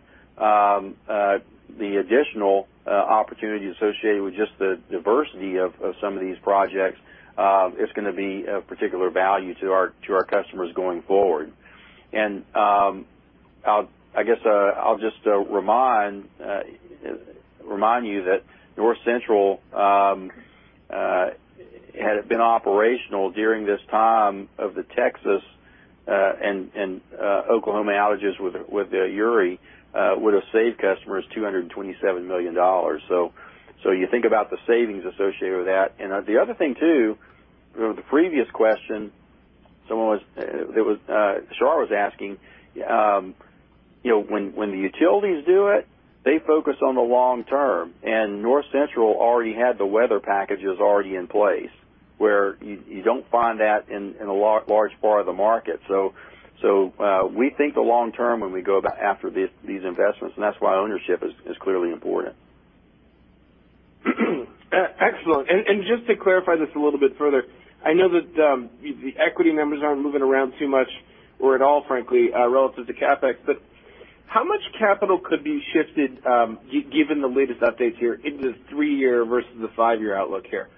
the additional opportunities associated with just the diversity of some of these projects, it's going to be of particular value to our customers going forward. I'll just remind you that North Central, had it been operational during this time of the Texas and Oklahoma outages with Uri, would have saved customers $227 million. You think about the savings associated with that. The other thing, too, the previous question Shar was asking, when the utilities do it, they focus on the long term, and North Central already had the weather packages already in place, where you don't find that in a large part of the market we think the long term when we go after these investments, and that's why ownership is clearly important. Excellent. Just to clarify this a little bit further, I know that the equity numbers aren't moving around too much or at all, frankly, relative to CapEx, but how much capital could be shifted given the latest updates here in the three-year versus the five-year outlook here?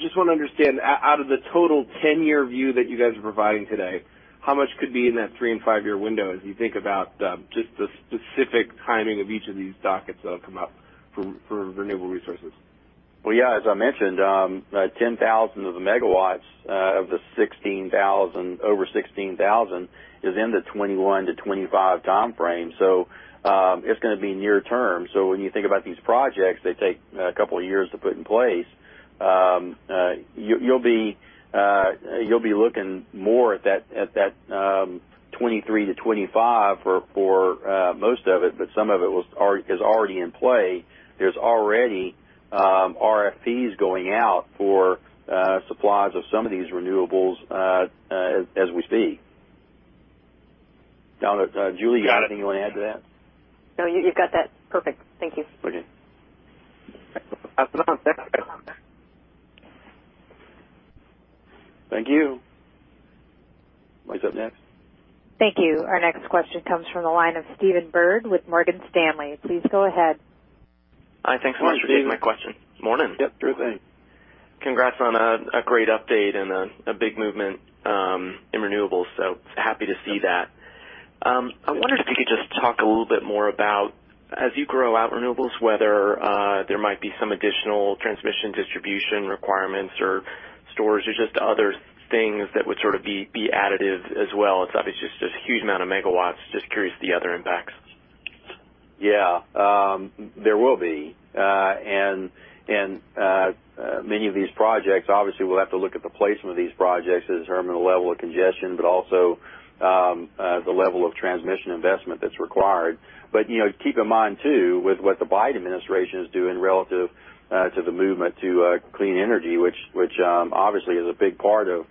Just want to understand, out of the total 10-year view that you guys are providing today, how much could be in that three- and five-year window as you think about just the specific timing of each of these dockets that have come up for renewable resources? As I mentioned, 10,000 of the megawatts of the over 16,000 is in the 2021-2025 time frame. It's going to be near term. When you think about these projects, they take a couple of years to put in place. You'll be looking more at that 2023-2025 for most of it, but some of it is already in play. There's already RFPs going out for supplies of some of these renewables as we speak. Julie, anything you want to add to that? No, you've got that. Perfect. Thank you. Okay. Excellent. Thanks. Thank you. Thank you. Our next question comes from the line of Stephen Byrd with Morgan Stanley. Please go ahead. Hi. Thanks so much for taking my question. Hi, Stephen. Morning. Yep. Sure thing. Congrats on a great update and a big movement in renewables. Happy to see that. I wonder if you could just talk a little bit more about, as you grow out renewables, whether there might be some additional transmission distribution requirements or storage or just other things that would be additive as well. It's obviously just a huge amount of megawatts. Just curious the other impacts. Yeah. There will be. Many of these projects, obviously, we'll have to look at the placement of these projects to determine the level of congestion, but also the level of transmission investment that's required. Keep in mind, too, with what the Biden administration is doing relative to the movement to clean energy, which obviously is a big part of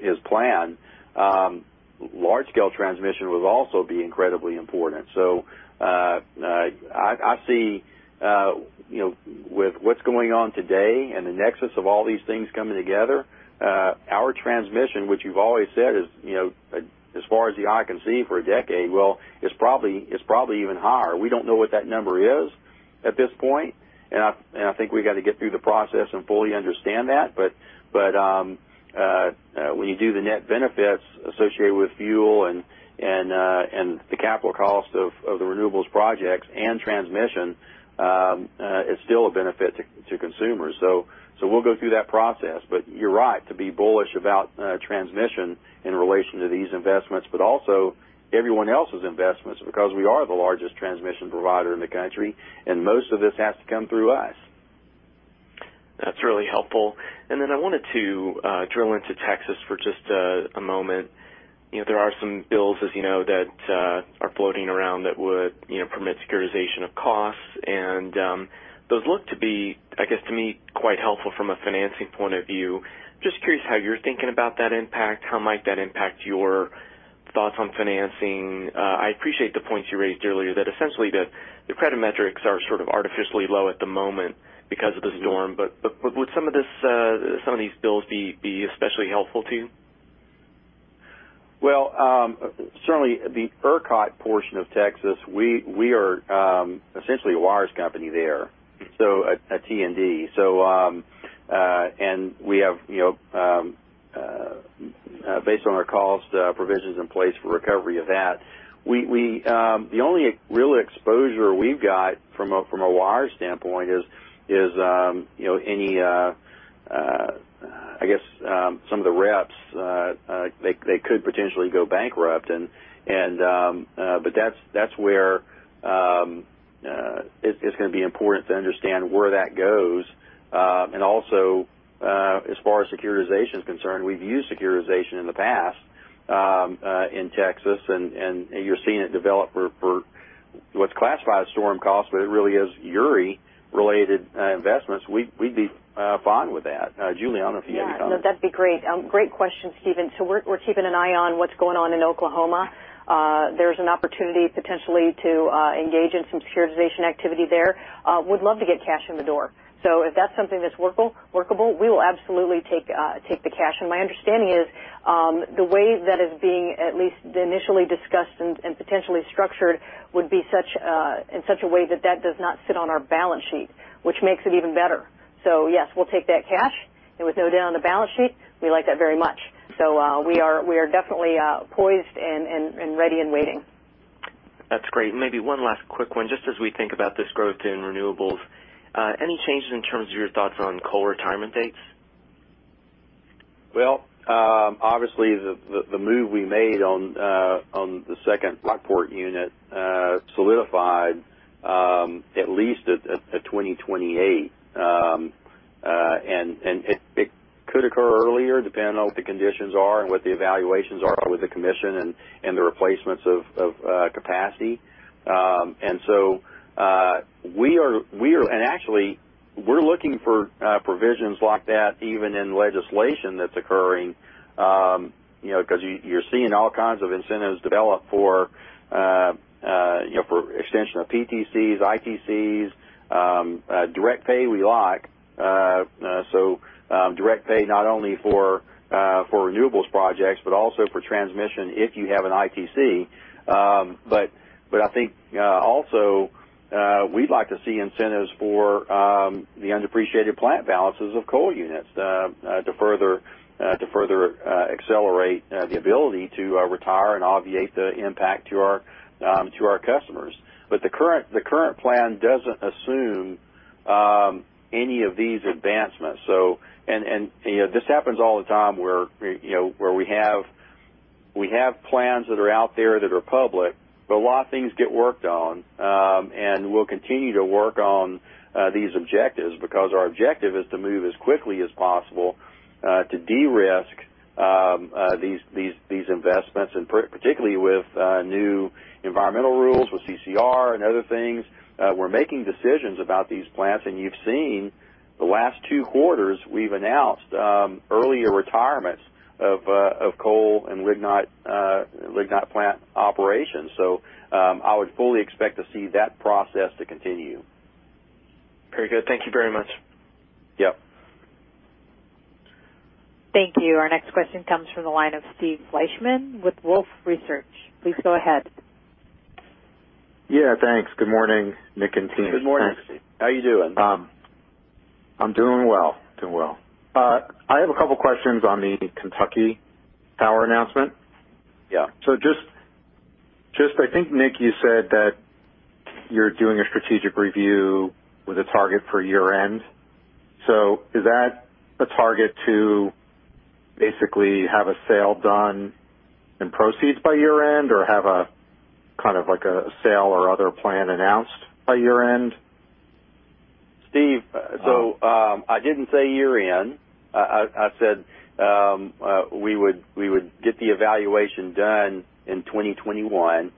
his plan, large-scale transmission will also be incredibly important. I see with what's going on today and the nexus of all these things coming together, our transmission, which you've always said is as far as the eye can see for a decade, well, it's probably even higher. We don't know what that number is at this point, and I think we got to get through the process and fully understand that when you do the net benefits associated with fuel and the capital cost of the renewables projects and transmission, it's still a benefit to consumers. we'll go through that process. you're right to be bullish about transmission in relation to these investments, but also everyone else's investments, because we are the largest transmission provider in the country, and most of this has to come through us. That's really helpful. I wanted to drill into Texas for just a moment. There are some bills, as you know, that are floating around that would permit securitization of costs. Those look to be, I guess to me, quite helpful from a financing point of view. Just curious how you're thinking about that impact. How might that impact your thoughts on financing? I appreciate the points you raised earlier that essentially the credit metrics are sort of artificially low at the moment because of the storm. Would some of these bills be especially helpful to you? Well, certainly the ERCOT portion of Texas, we are essentially a wires company there, so a T&D. We have, based on our cost, provisions in place for recovery of that. The only real exposure we've got from a wires standpoint is any, I guess some of the REPs, they could potentially go bankrupt. That's where it's going to be important to understand where that goes. Also, as far as securitization is concerned, we've used securitization in the past in Texas, and you're seeing it develop for what's classified as storm cost, but it really is Uri-related investments. We'd be fine with that. Julie, I don't know if you have any comment. Yeah, no, that'd be great. Great question, Stephen. We're keeping an eye on what's going on in Oklahoma. There's an opportunity potentially to engage in some securitization activity there. Would love to get cash in the door. If that's something that's workable, we will absolutely take the cash. My understanding is, the way that is being at least initially discussed and potentially structured would be in such a way that that does not sit on our balance sheet, which makes it even better. Yes, we'll take that cash. With no debt on the balance sheet, we like that very much. We are definitely poised and ready and waiting. That's great. Maybe one last quick one. Just as we think about this growth in renewables, any changes in terms of your thoughts on coal retirement dates? Well, obviously the move we made on the second Rockport unit solidified at least a 2028. It could occur earlier, depending on what the conditions are and what the evaluations are with the commission and the replacements of capacity. Actually, we're looking for provisions like that even in legislation that's occurring, because you're seeing all kinds of incentives develop for extension of PTCs, ITCs. Direct pay we like. Direct pay not only for renewables projects, but also for transmission if you have an ITC. I think also, we'd like to see incentives for the undepreciated plant balances of coal units to further accelerate the ability to retire and obviate the impact to our customers. The current plan doesn't assume any of these advancements. This happens all the time where we have plans that are out there that are public, but a lot of things get worked on. We'll continue to work on these objectives because our objective is to move as quickly as possible to de-risk these investments, and particularly with new environmental rules with CCR and other things. We're making decisions about these plants, and you've seen the last two quarters we've announced earlier retirements of coal and lignite plant operations. I would fully expect to see that process to continue. Very good. Thank you very much. Yep. Thank you. Our next question comes from the line of Steve Fleishman with Wolfe Research. Please go ahead. Yeah, thanks. Good morning, Nick and team. Good morning, Steve. How you doing? I'm doing well. I have a couple questions on the Kentucky Power announcement. Yeah. just, I think, Nick, you said that you're doing a strategic review with a target for year-end. is that a target to basically have a sale done and proceeds by year-end, or have a sale or other plan announced by year-end? Steve, I didn't say year-end. I said we would get the evaluation done in 2021.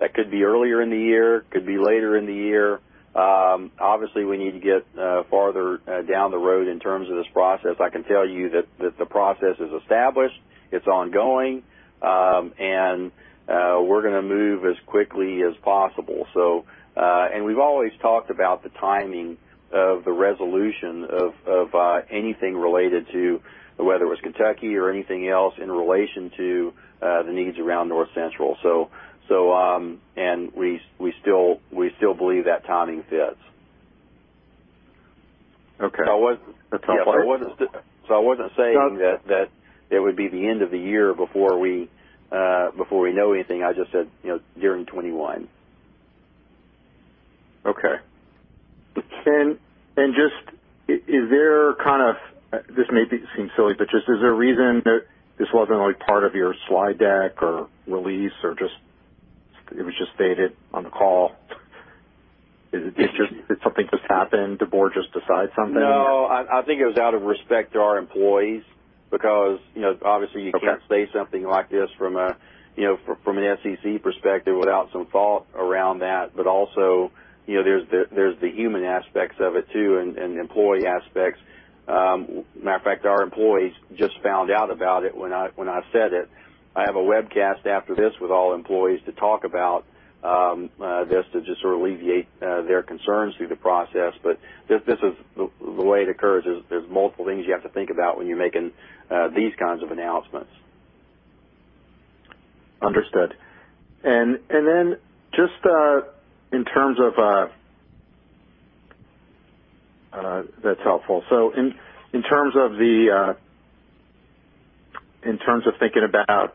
That could be earlier in the year, could be later in the year. Obviously, we need to get farther down the road in terms of this process. I can tell you that the process is established, it's ongoing. We're going to move as quickly as possible. We've always talked about the timing of the resolution of anything related to, whether it was Kentucky or anything else, in relation to the needs around North Central. We still believe that timing fits. Okay. That's helpful. I wasn't saying that it would be the end of the year before we know anything. I just said during 2021. Okay. just, this may seem silly, but just is there a reason that this wasn't part of your slide deck or release? just stated on the call. Did something just happen? Did the board just decide something? No, I think it was out of respect to our employees because obviously you can't say something like this from an SEC perspective without some thought around that. also, there's the human aspects of it too, and the employee aspects. Matter of fact, our employees just found out about it when I said it. I have a webcast after this with all employees to talk about this to just sort of alleviate their concerns through the process. this is the way it occurs, is there's multiple things you have to think about when you're making these kinds of announcements. Understood. That's helpful. In terms of thinking about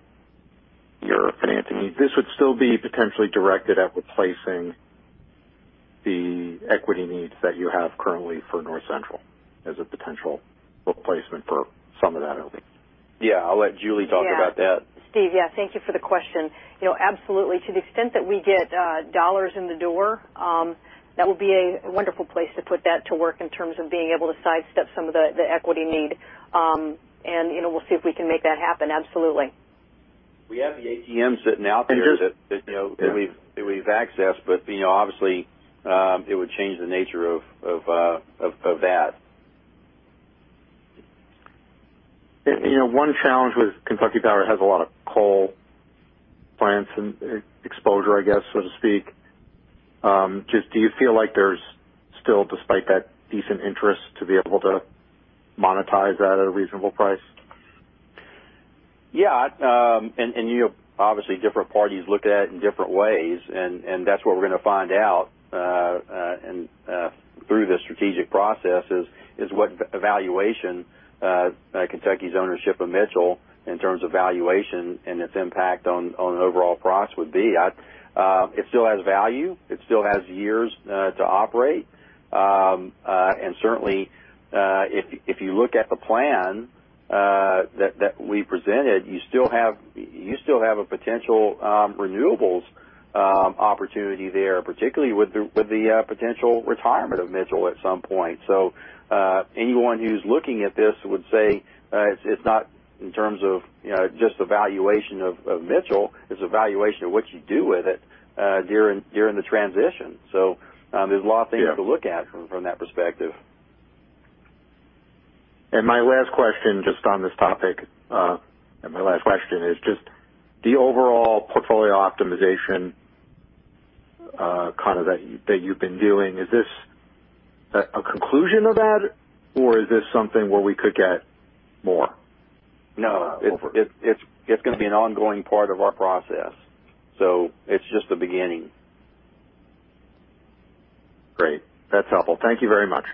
your financing, this would still be potentially directed at replacing the equity needs that you have currently for North Central as a potential replacement for some of that, I would think. Yeah, I'll let Julie talk about that. Steve, yeah. Thank you for the question. Absolutely. To the extent that we get dollars in the door, that would be a wonderful place to put that to work in terms of being able to sidestep some of the equity need. We'll see if we can make that happen. Absolutely. We have the ATM sitting out there that we've accessed, but obviously, it would change the nature of that. One challenge with Kentucky Power has a lot of coal plants and exposure, I guess, so to speak. Just do you feel like there's still, despite that decent interest, to be able to monetize that at a reasonable price? Yeah. You have, obviously, different parties look at it in different ways. That's what we're going to find out through the strategic process is what valuation Kentucky's ownership of Mitchell in terms of valuation and its impact on overall price would be. It still has value. It still has years to operate. Certainly, if you look at the plan that we presented, you still have a potential renewables opportunity there, particularly with the potential retirement of Mitchell at some point. Anyone who's looking at this would say, it's not in terms of just the valuation of Mitchell, it's a valuation of what you do with it during the transition. There's a lot of things to look at from that perspective. My last question, just on this topic, and my last question is just the overall portfolio optimization that you've been doing. Is this a conclusion of that, or is this something where we could get more? No. It's going to be an ongoing part of our process. It's just the beginning. Great. That's helpful. Thank you very much.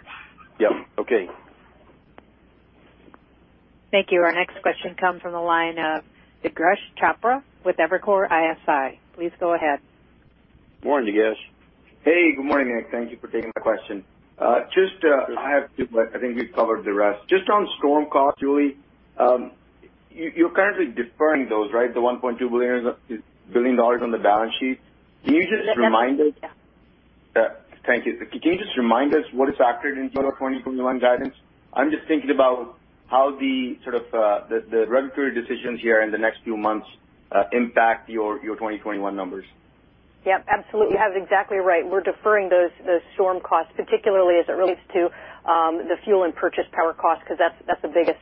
Yep. Okay. Thank you. Our next question comes from the line of Durgesh Chopra with Evercore ISI. Please go ahead. Morning, Durgesh. Hey, good morning. Thank you for taking my question. I have two, but I think we've covered the rest. Just on storm costs, Julie, you're currently deferring those, right? The $1.2 billion on the balance sheet. Yes. Thank you. Can you just remind us what is factored into the 2021 guidance? I'm just thinking about how the sort of the regulatory decisions here in the next few months impact your 2021 numbers. Yep, absolutely. You have it exactly right. We're deferring those storm costs, particularly as it relates to the fuel and purchase power costs, because that's the biggest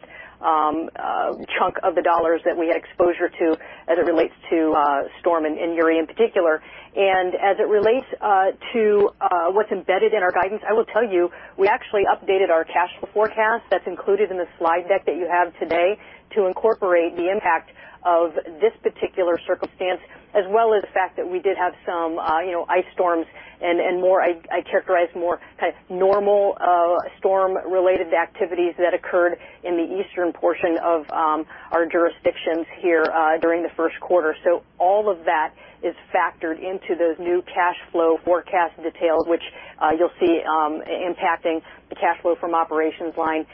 chunk of the dollars that we had exposure to as it relates to storm and Uri in particular. As it relates to what's embedded in our guidance, I will tell you, we actually updated our cash forecast that's included in the slide deck that you have today to incorporate the impact of this particular circumstance, as well as the fact that we did have some ice storms and I characterize more normal storm-related activities that occurred in the eastern portion of our jurisdictions here during the first quarter. All of that is factored into those new cash flow forecast details, which you'll see impacting the cash flow from operations line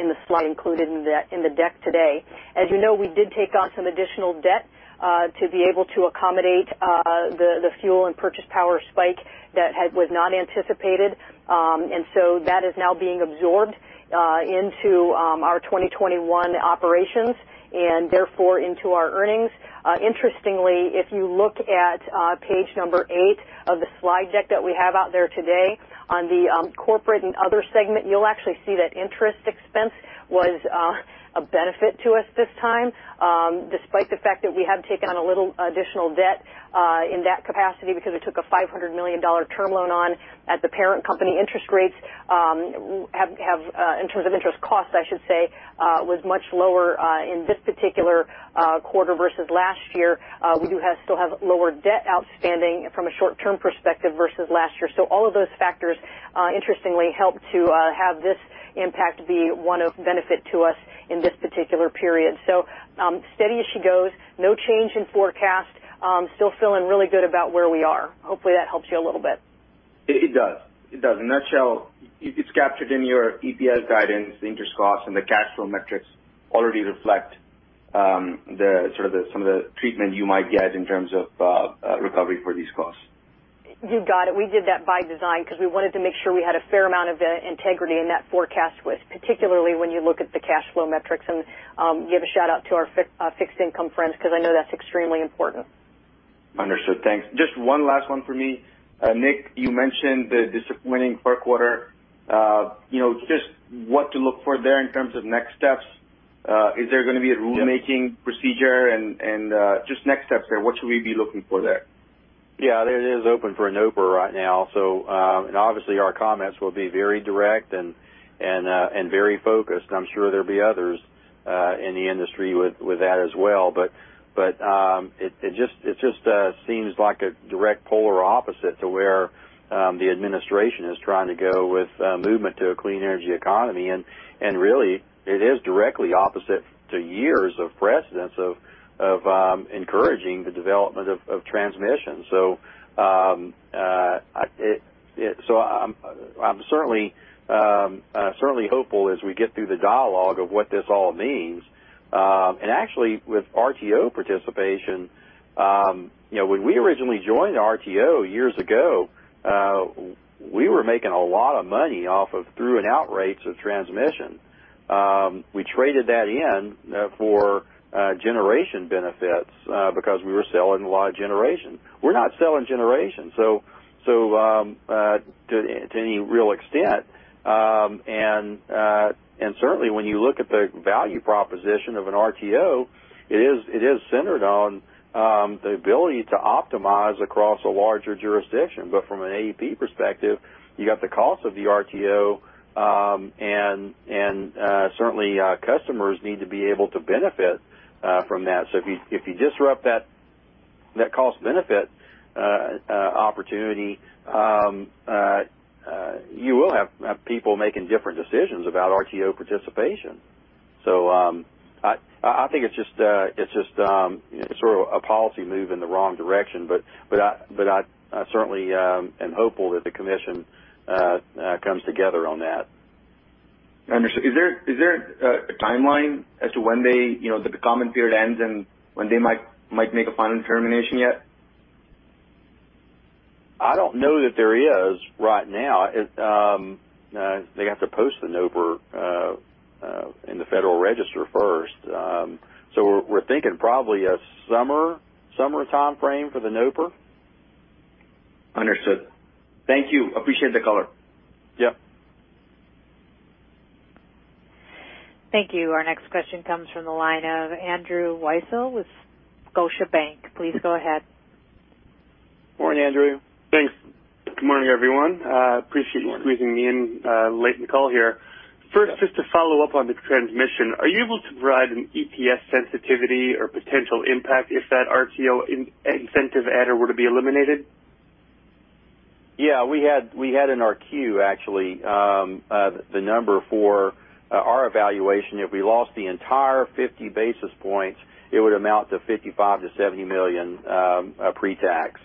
in the slide included in the deck today. As you know, we did take on some additional debt to be able to accommodate the fuel and purchase power spike that was not anticipated. That is now being absorbed into our 2021 operations and therefore into our earnings. Interestingly, if you look at page number eight of the slide deck that we have out there today on the corporate and other segment, you'll actually see that interest expense was a benefit to us this time. Despite the fact that we have taken on a little additional debt in that capacity because we took a $500 million term loan on as the parent company interest rates have, in terms of interest costs, I should say, was much lower in this particular quarter versus last year. We do still have lower debt outstanding from a short-term perspective versus last year. All of those factors interestingly help to have this impact be one of benefit to us in this particular period. Steady as she goes. No change in forecast. Still feeling really good about where we are. Hopefully, that helps you a little bit. It does. In a nutshell, it's captured in your EPS guidance. The interest costs and the cash flow metrics already reflect some of the treatment you might get in terms of recovery for these costs. You got it. We did that by design because we wanted to make sure we had a fair amount of integrity in that forecast width, particularly when you look at the cash flow metrics. Give a shout-out to our fixed income friends because I know that's extremely important. Understood. Thanks. Just one last one for me. Nick, you mentioned the disappointing fourth quarter. Just what to look for there in terms of next steps. Is there going to be a rulemaking procedure and just next steps there? What should we be looking for there? Yeah, it is open for an NOPR right now. Obviously our comments will be very direct and very focused, and I'm sure there'll be others in the industry with that as well. It just seems like a direct polar opposite to where the administration is trying to go with movement to a clean energy economy. Really, it is directly opposite to years of precedents of encouraging the development of transmission. I'm certainly hopeful as we get through the dialogue of what this all means. Actually, with RTO participation, when we originally joined RTO years ago, we were making a lot of money off of through and out rates of transmission. We traded that in for generation benefits because we were selling a lot of generation. We're not selling generation to any real extent. Certainly when you look at the value proposition of an RTO, it is centered on the ability to optimize across a larger jurisdiction. From an AEP perspective, you got the cost of the RTO, and certainly customers need to be able to benefit from that. If you disrupt that net cost benefit opportunity, you will have people making different decisions about RTO participation. I think it's just a policy move in the wrong direction. I certainly am hopeful that the commission comes together on that. Understood. Is there a timeline as to when the comment period ends and when they might make a final determination yet? I don't know that there is right now. They have to post the NOPR in the Federal Register first. We're thinking probably a summer timeframe for the NOPR. Understood. Thank you. Appreciate the color. Yeah. Thank you. Our next question comes from the line of Andrew Weisel with Scotiabank. Please go ahead. Morning, Andrew. Thanks. Good morning, everyone. Appreciate you- Morning Squeezing me in late in the call here. First, just to follow up on the transmission, are you able to provide an EPS sensitivity or potential impact if that RTO incentive adder were to be eliminated? Yeah, we had in our queue, actually, the number for our evaluation. If we lost the entire 50 basis points, it would amount to $55 million-$70 million pre-tax.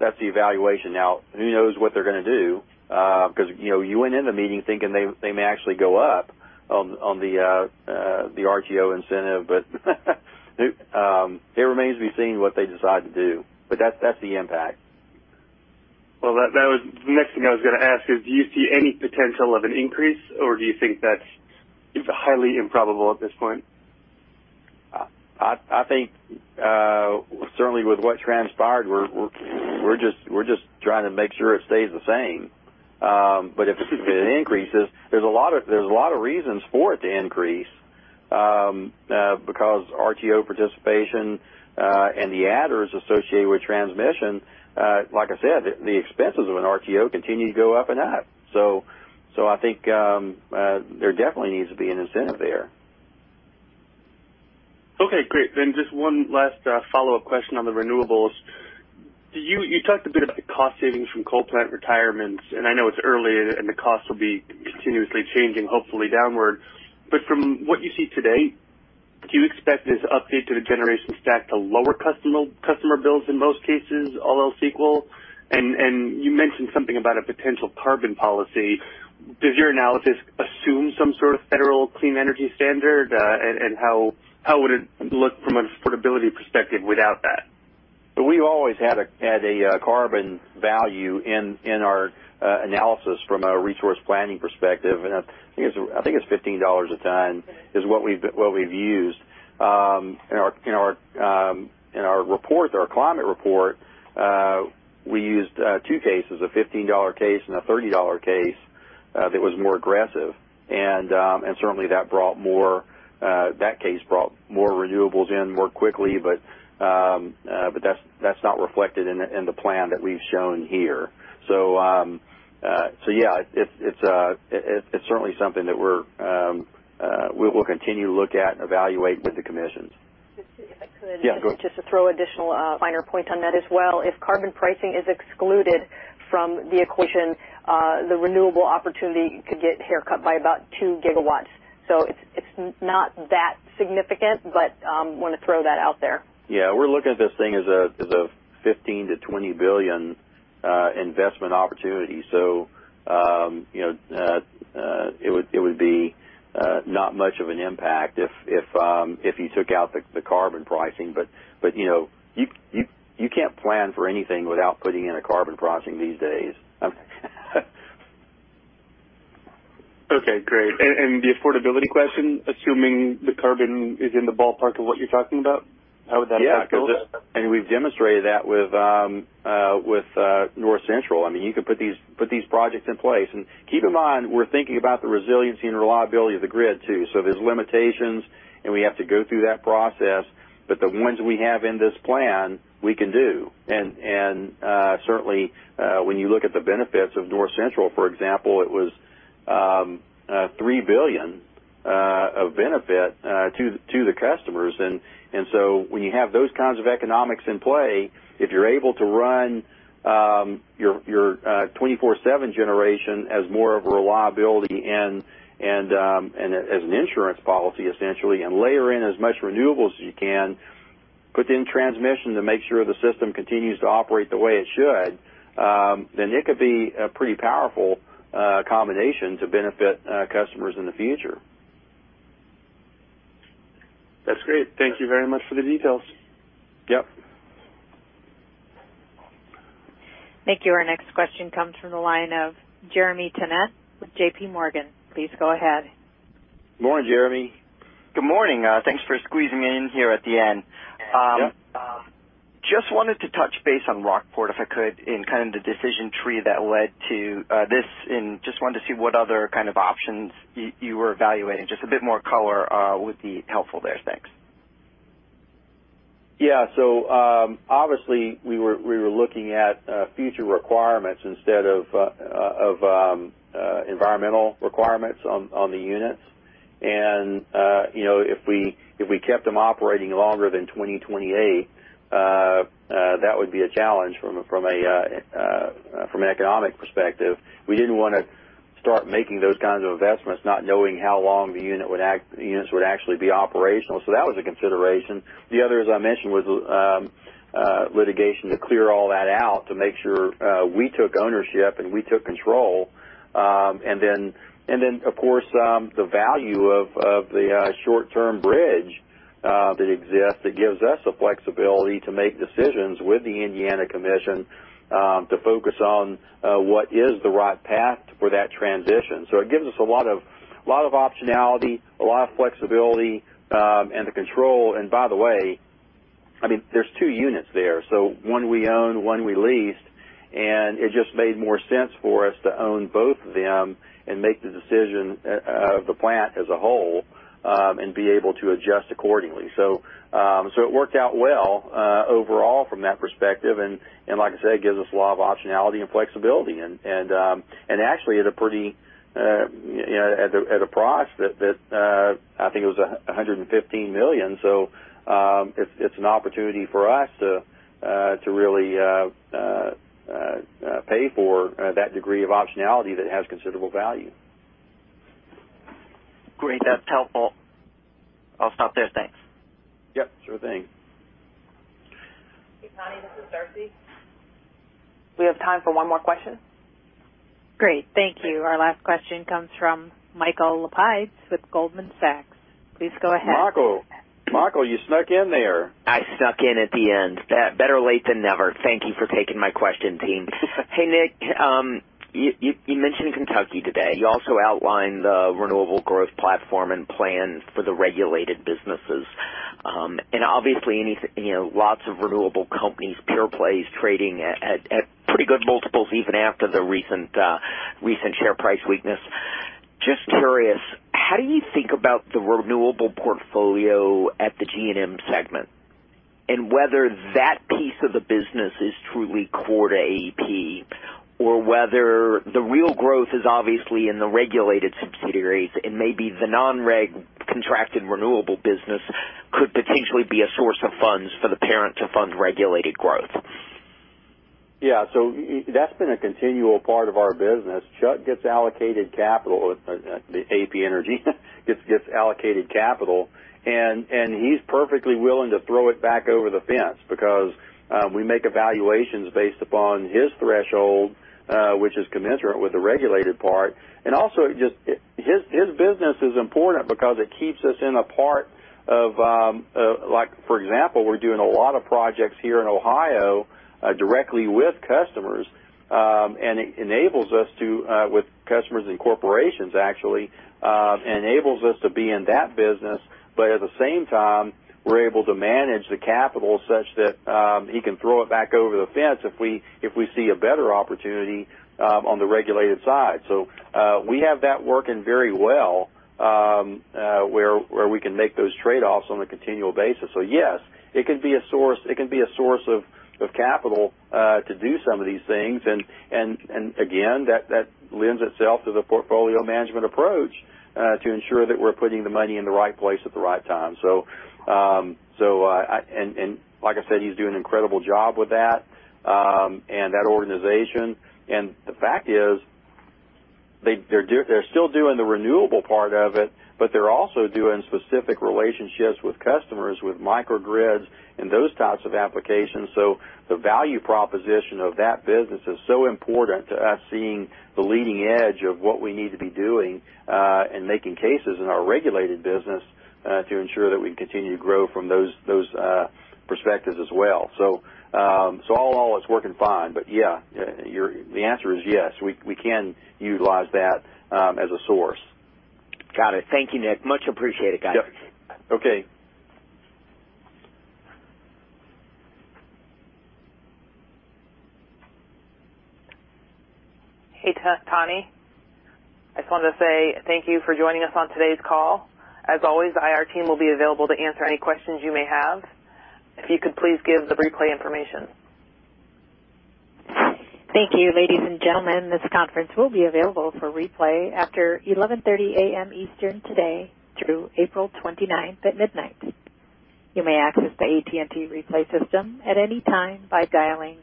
that's the evaluation. Now, who knows what they're going to do? Because you went into the meeting thinking they may actually go up on the RTO incentive. it remains to be seen what they decide to do. that's the impact. Well, that was the next thing I was going to ask is, do you see any potential of an increase, or do you think that's highly improbable at this point? I think certainly with what transpired, we're just trying to make sure it stays the same. if it increases, there's a lot of reasons for it to increase because RTO participation and the adders associated with transmission. Like I said, the expenses of an RTO continue to go up and up. I think there definitely needs to be an incentive there. Okay, great. Just one last follow-up question on the renewables. You talked a bit about the cost savings from coal plant retirements, and I know it's early and the cost will be continuously changing, hopefully downward. From what you see today, do you expect this update to the generation stack to lower customer bills in most cases, all else equal? You mentioned something about a potential carbon policy. Does your analysis assume some sort of federal clean energy standard? How would it look from an affordability perspective without that? We've always had a carbon value in our analysis from a resource planning perspective, and I think it's $15 a ton is what we've used. In our report, our climate report, we used two cases, a $15 case and a $30 case that was more aggressive. Certainly that case brought more renewables in more quickly, but that's not reflected in the plan that we've shown here. Yeah, it's certainly something that we will continue to look at and evaluate with the commissions. If I could- Yeah, go ahead. Just to throw additional minor point on that as well. If carbon pricing is excluded from the equation, the renewable opportunity could get haircut by about 2 GW. It's not that significant, but want to throw that out there. Yeah, we're looking at this thing as a $15 billion-$20 billion investment opportunity. It would be not much of an impact if you took out the carbon pricing. You can't plan for anything without putting in a carbon pricing these days. Okay, great. The affordability question, assuming the carbon is in the ballpark of what you're talking about, how would that affect this? Yeah. We've demonstrated that with North Central. You could put these projects in place. Certainly, when you look at the benefits of North Central, for example, it was $3 billion of benefit to the customers. When you have those kinds of economics in play, if you're able to run your 24/7 generation as more of a reliability and as an insurance policy, essentially, and layer in as much renewables as you can, put in transmission to make sure the system continues to operate the way it should, then it could be a pretty powerful combination to benefit customers in the future. That's great. Thank you very much for the details. Yep. Thank you. Our next question comes from the line of Jeremy Tonet with JPMorgan. Please go ahead. Morning, Jeremy. Good morning. Thanks for squeezing me in here at the end. Yep. Just wanted to touch base on Rockport, if I could, in the decision tree that led to this, and just wanted to see what other kind of options you were evaluating. Just a bit more color would be helpful there. Thanks. Yeah. Obviously, we were looking at future requirements instead of environmental requirements on the units. If we kept them operating longer than 2028, that would be a challenge from an economic perspective. We didn't want to start making those kinds of investments not knowing how long the units would actually be operational. That was a consideration. The other, as I mentioned, was litigation to clear all that out to make sure we took ownership and we took control. Of course, the value of the short-term bridge that exists that gives us the flexibility to make decisions with the Indiana Commission to focus on what is the right path for that transition. It gives us a lot of optionality, a lot of flexibility, and the control. By the way, there's two units there. One we own, one we lease. It just made more sense for us to own both of them and make the decision of the plant as a whole, and be able to adjust accordingly. It worked out well overall from that perspective. Like I said, it gives us a lot of optionality and flexibility. Actually at a price that I think it was $115 million. It's an opportunity for us to really pay for that degree of optionality that has considerable value. Great. That's helpful. I'll stop there. Thanks. Yep, sure thing. Hey, Tani, this is Darcy. We have time for one more question. Great. Thank you. Our last question comes from Michael Lapides with Goldman Sachs. Please go ahead. Michael. Michael, you snuck in there. I snuck in at the end. Better late than never. Thank you for taking my question, team. Hey, Nick, you mentioned Kentucky today. You also outlined the renewable growth platform and plans for the regulated businesses. obviously, lots of renewable companies, pure plays trading at pretty good multiples even after the recent share price weakness. Just curious, how do you think about the renewable portfolio at the G&M segment, and whether that piece of the business is truly core to AEP, or whether the real growth is obviously in the regulated subsidiaries and maybe the non-reg contracted renewable business could potentially be a source of funds for the parent to fund regulated growth? Yeah. That's been a continual part of our business, just gets allocated capital, the AEP Energy gets allocated capital, and he's perfectly willing to throw it back over the fence because we make evaluations based upon his threshold, which is commensurate with the regulated part. Also, his business is important because it keeps us in a part of, for example, we're doing a lot of projects here in Ohio directly with customers, and it enables us to, with customers and corporations actually, enables us to be in that business. At the same time, we're able to manage the capital such that he can throw it back over the fence if we see a better opportunity on the regulated side. We have that working very well, where we can make those trade-offs on a continual basis. Yes, it can be a source of capital to do some of these things. again, that lends itself to the portfolio management approach. To ensure that we're putting the money in the right place at the right time. like I said, he's doing an incredible job with that and that organization the fact is, they're still doing the renewable part of it, but they're also doing specific relationships with customers with microgrids and those types of applications. the value proposition of that business is so important to us seeing the leading edge of what we need to be doing and making cases in our regulated business to ensure that we continue to grow from those perspectives as well. all in all, it's working fine. yeah, the answer is yes, we can utilize that as a source. Got it. Thank you, Nick. Much appreciated, guys. Yep. Okay. Hey, Tani. I just wanted to say thank you for joining us on today's call. As always, our team will be available to answer any questions you may have. If you could please give the replay information. Thank you, ladies and gentlemen. This conference will be available for replay after 11:30 A.M Eastern today through April 29th at midnight. You may access the AT&T replay system at any time by dialing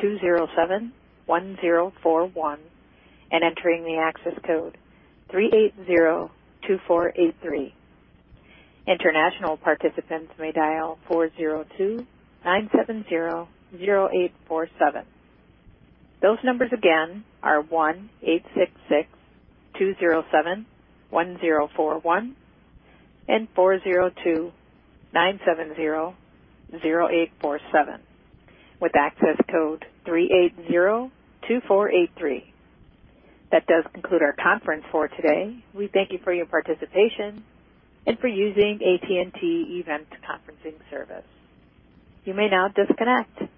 1-866-207-1041 and entering the access code 3802483. International participants may dial 402-970-0847. Those numbers again are 1-866-207-1041 and 402-970-0847 with access code 3802483. That does conclude our conference for today. We thank you for your participation and for using AT&T Event Conferencing service. You may now disconnect.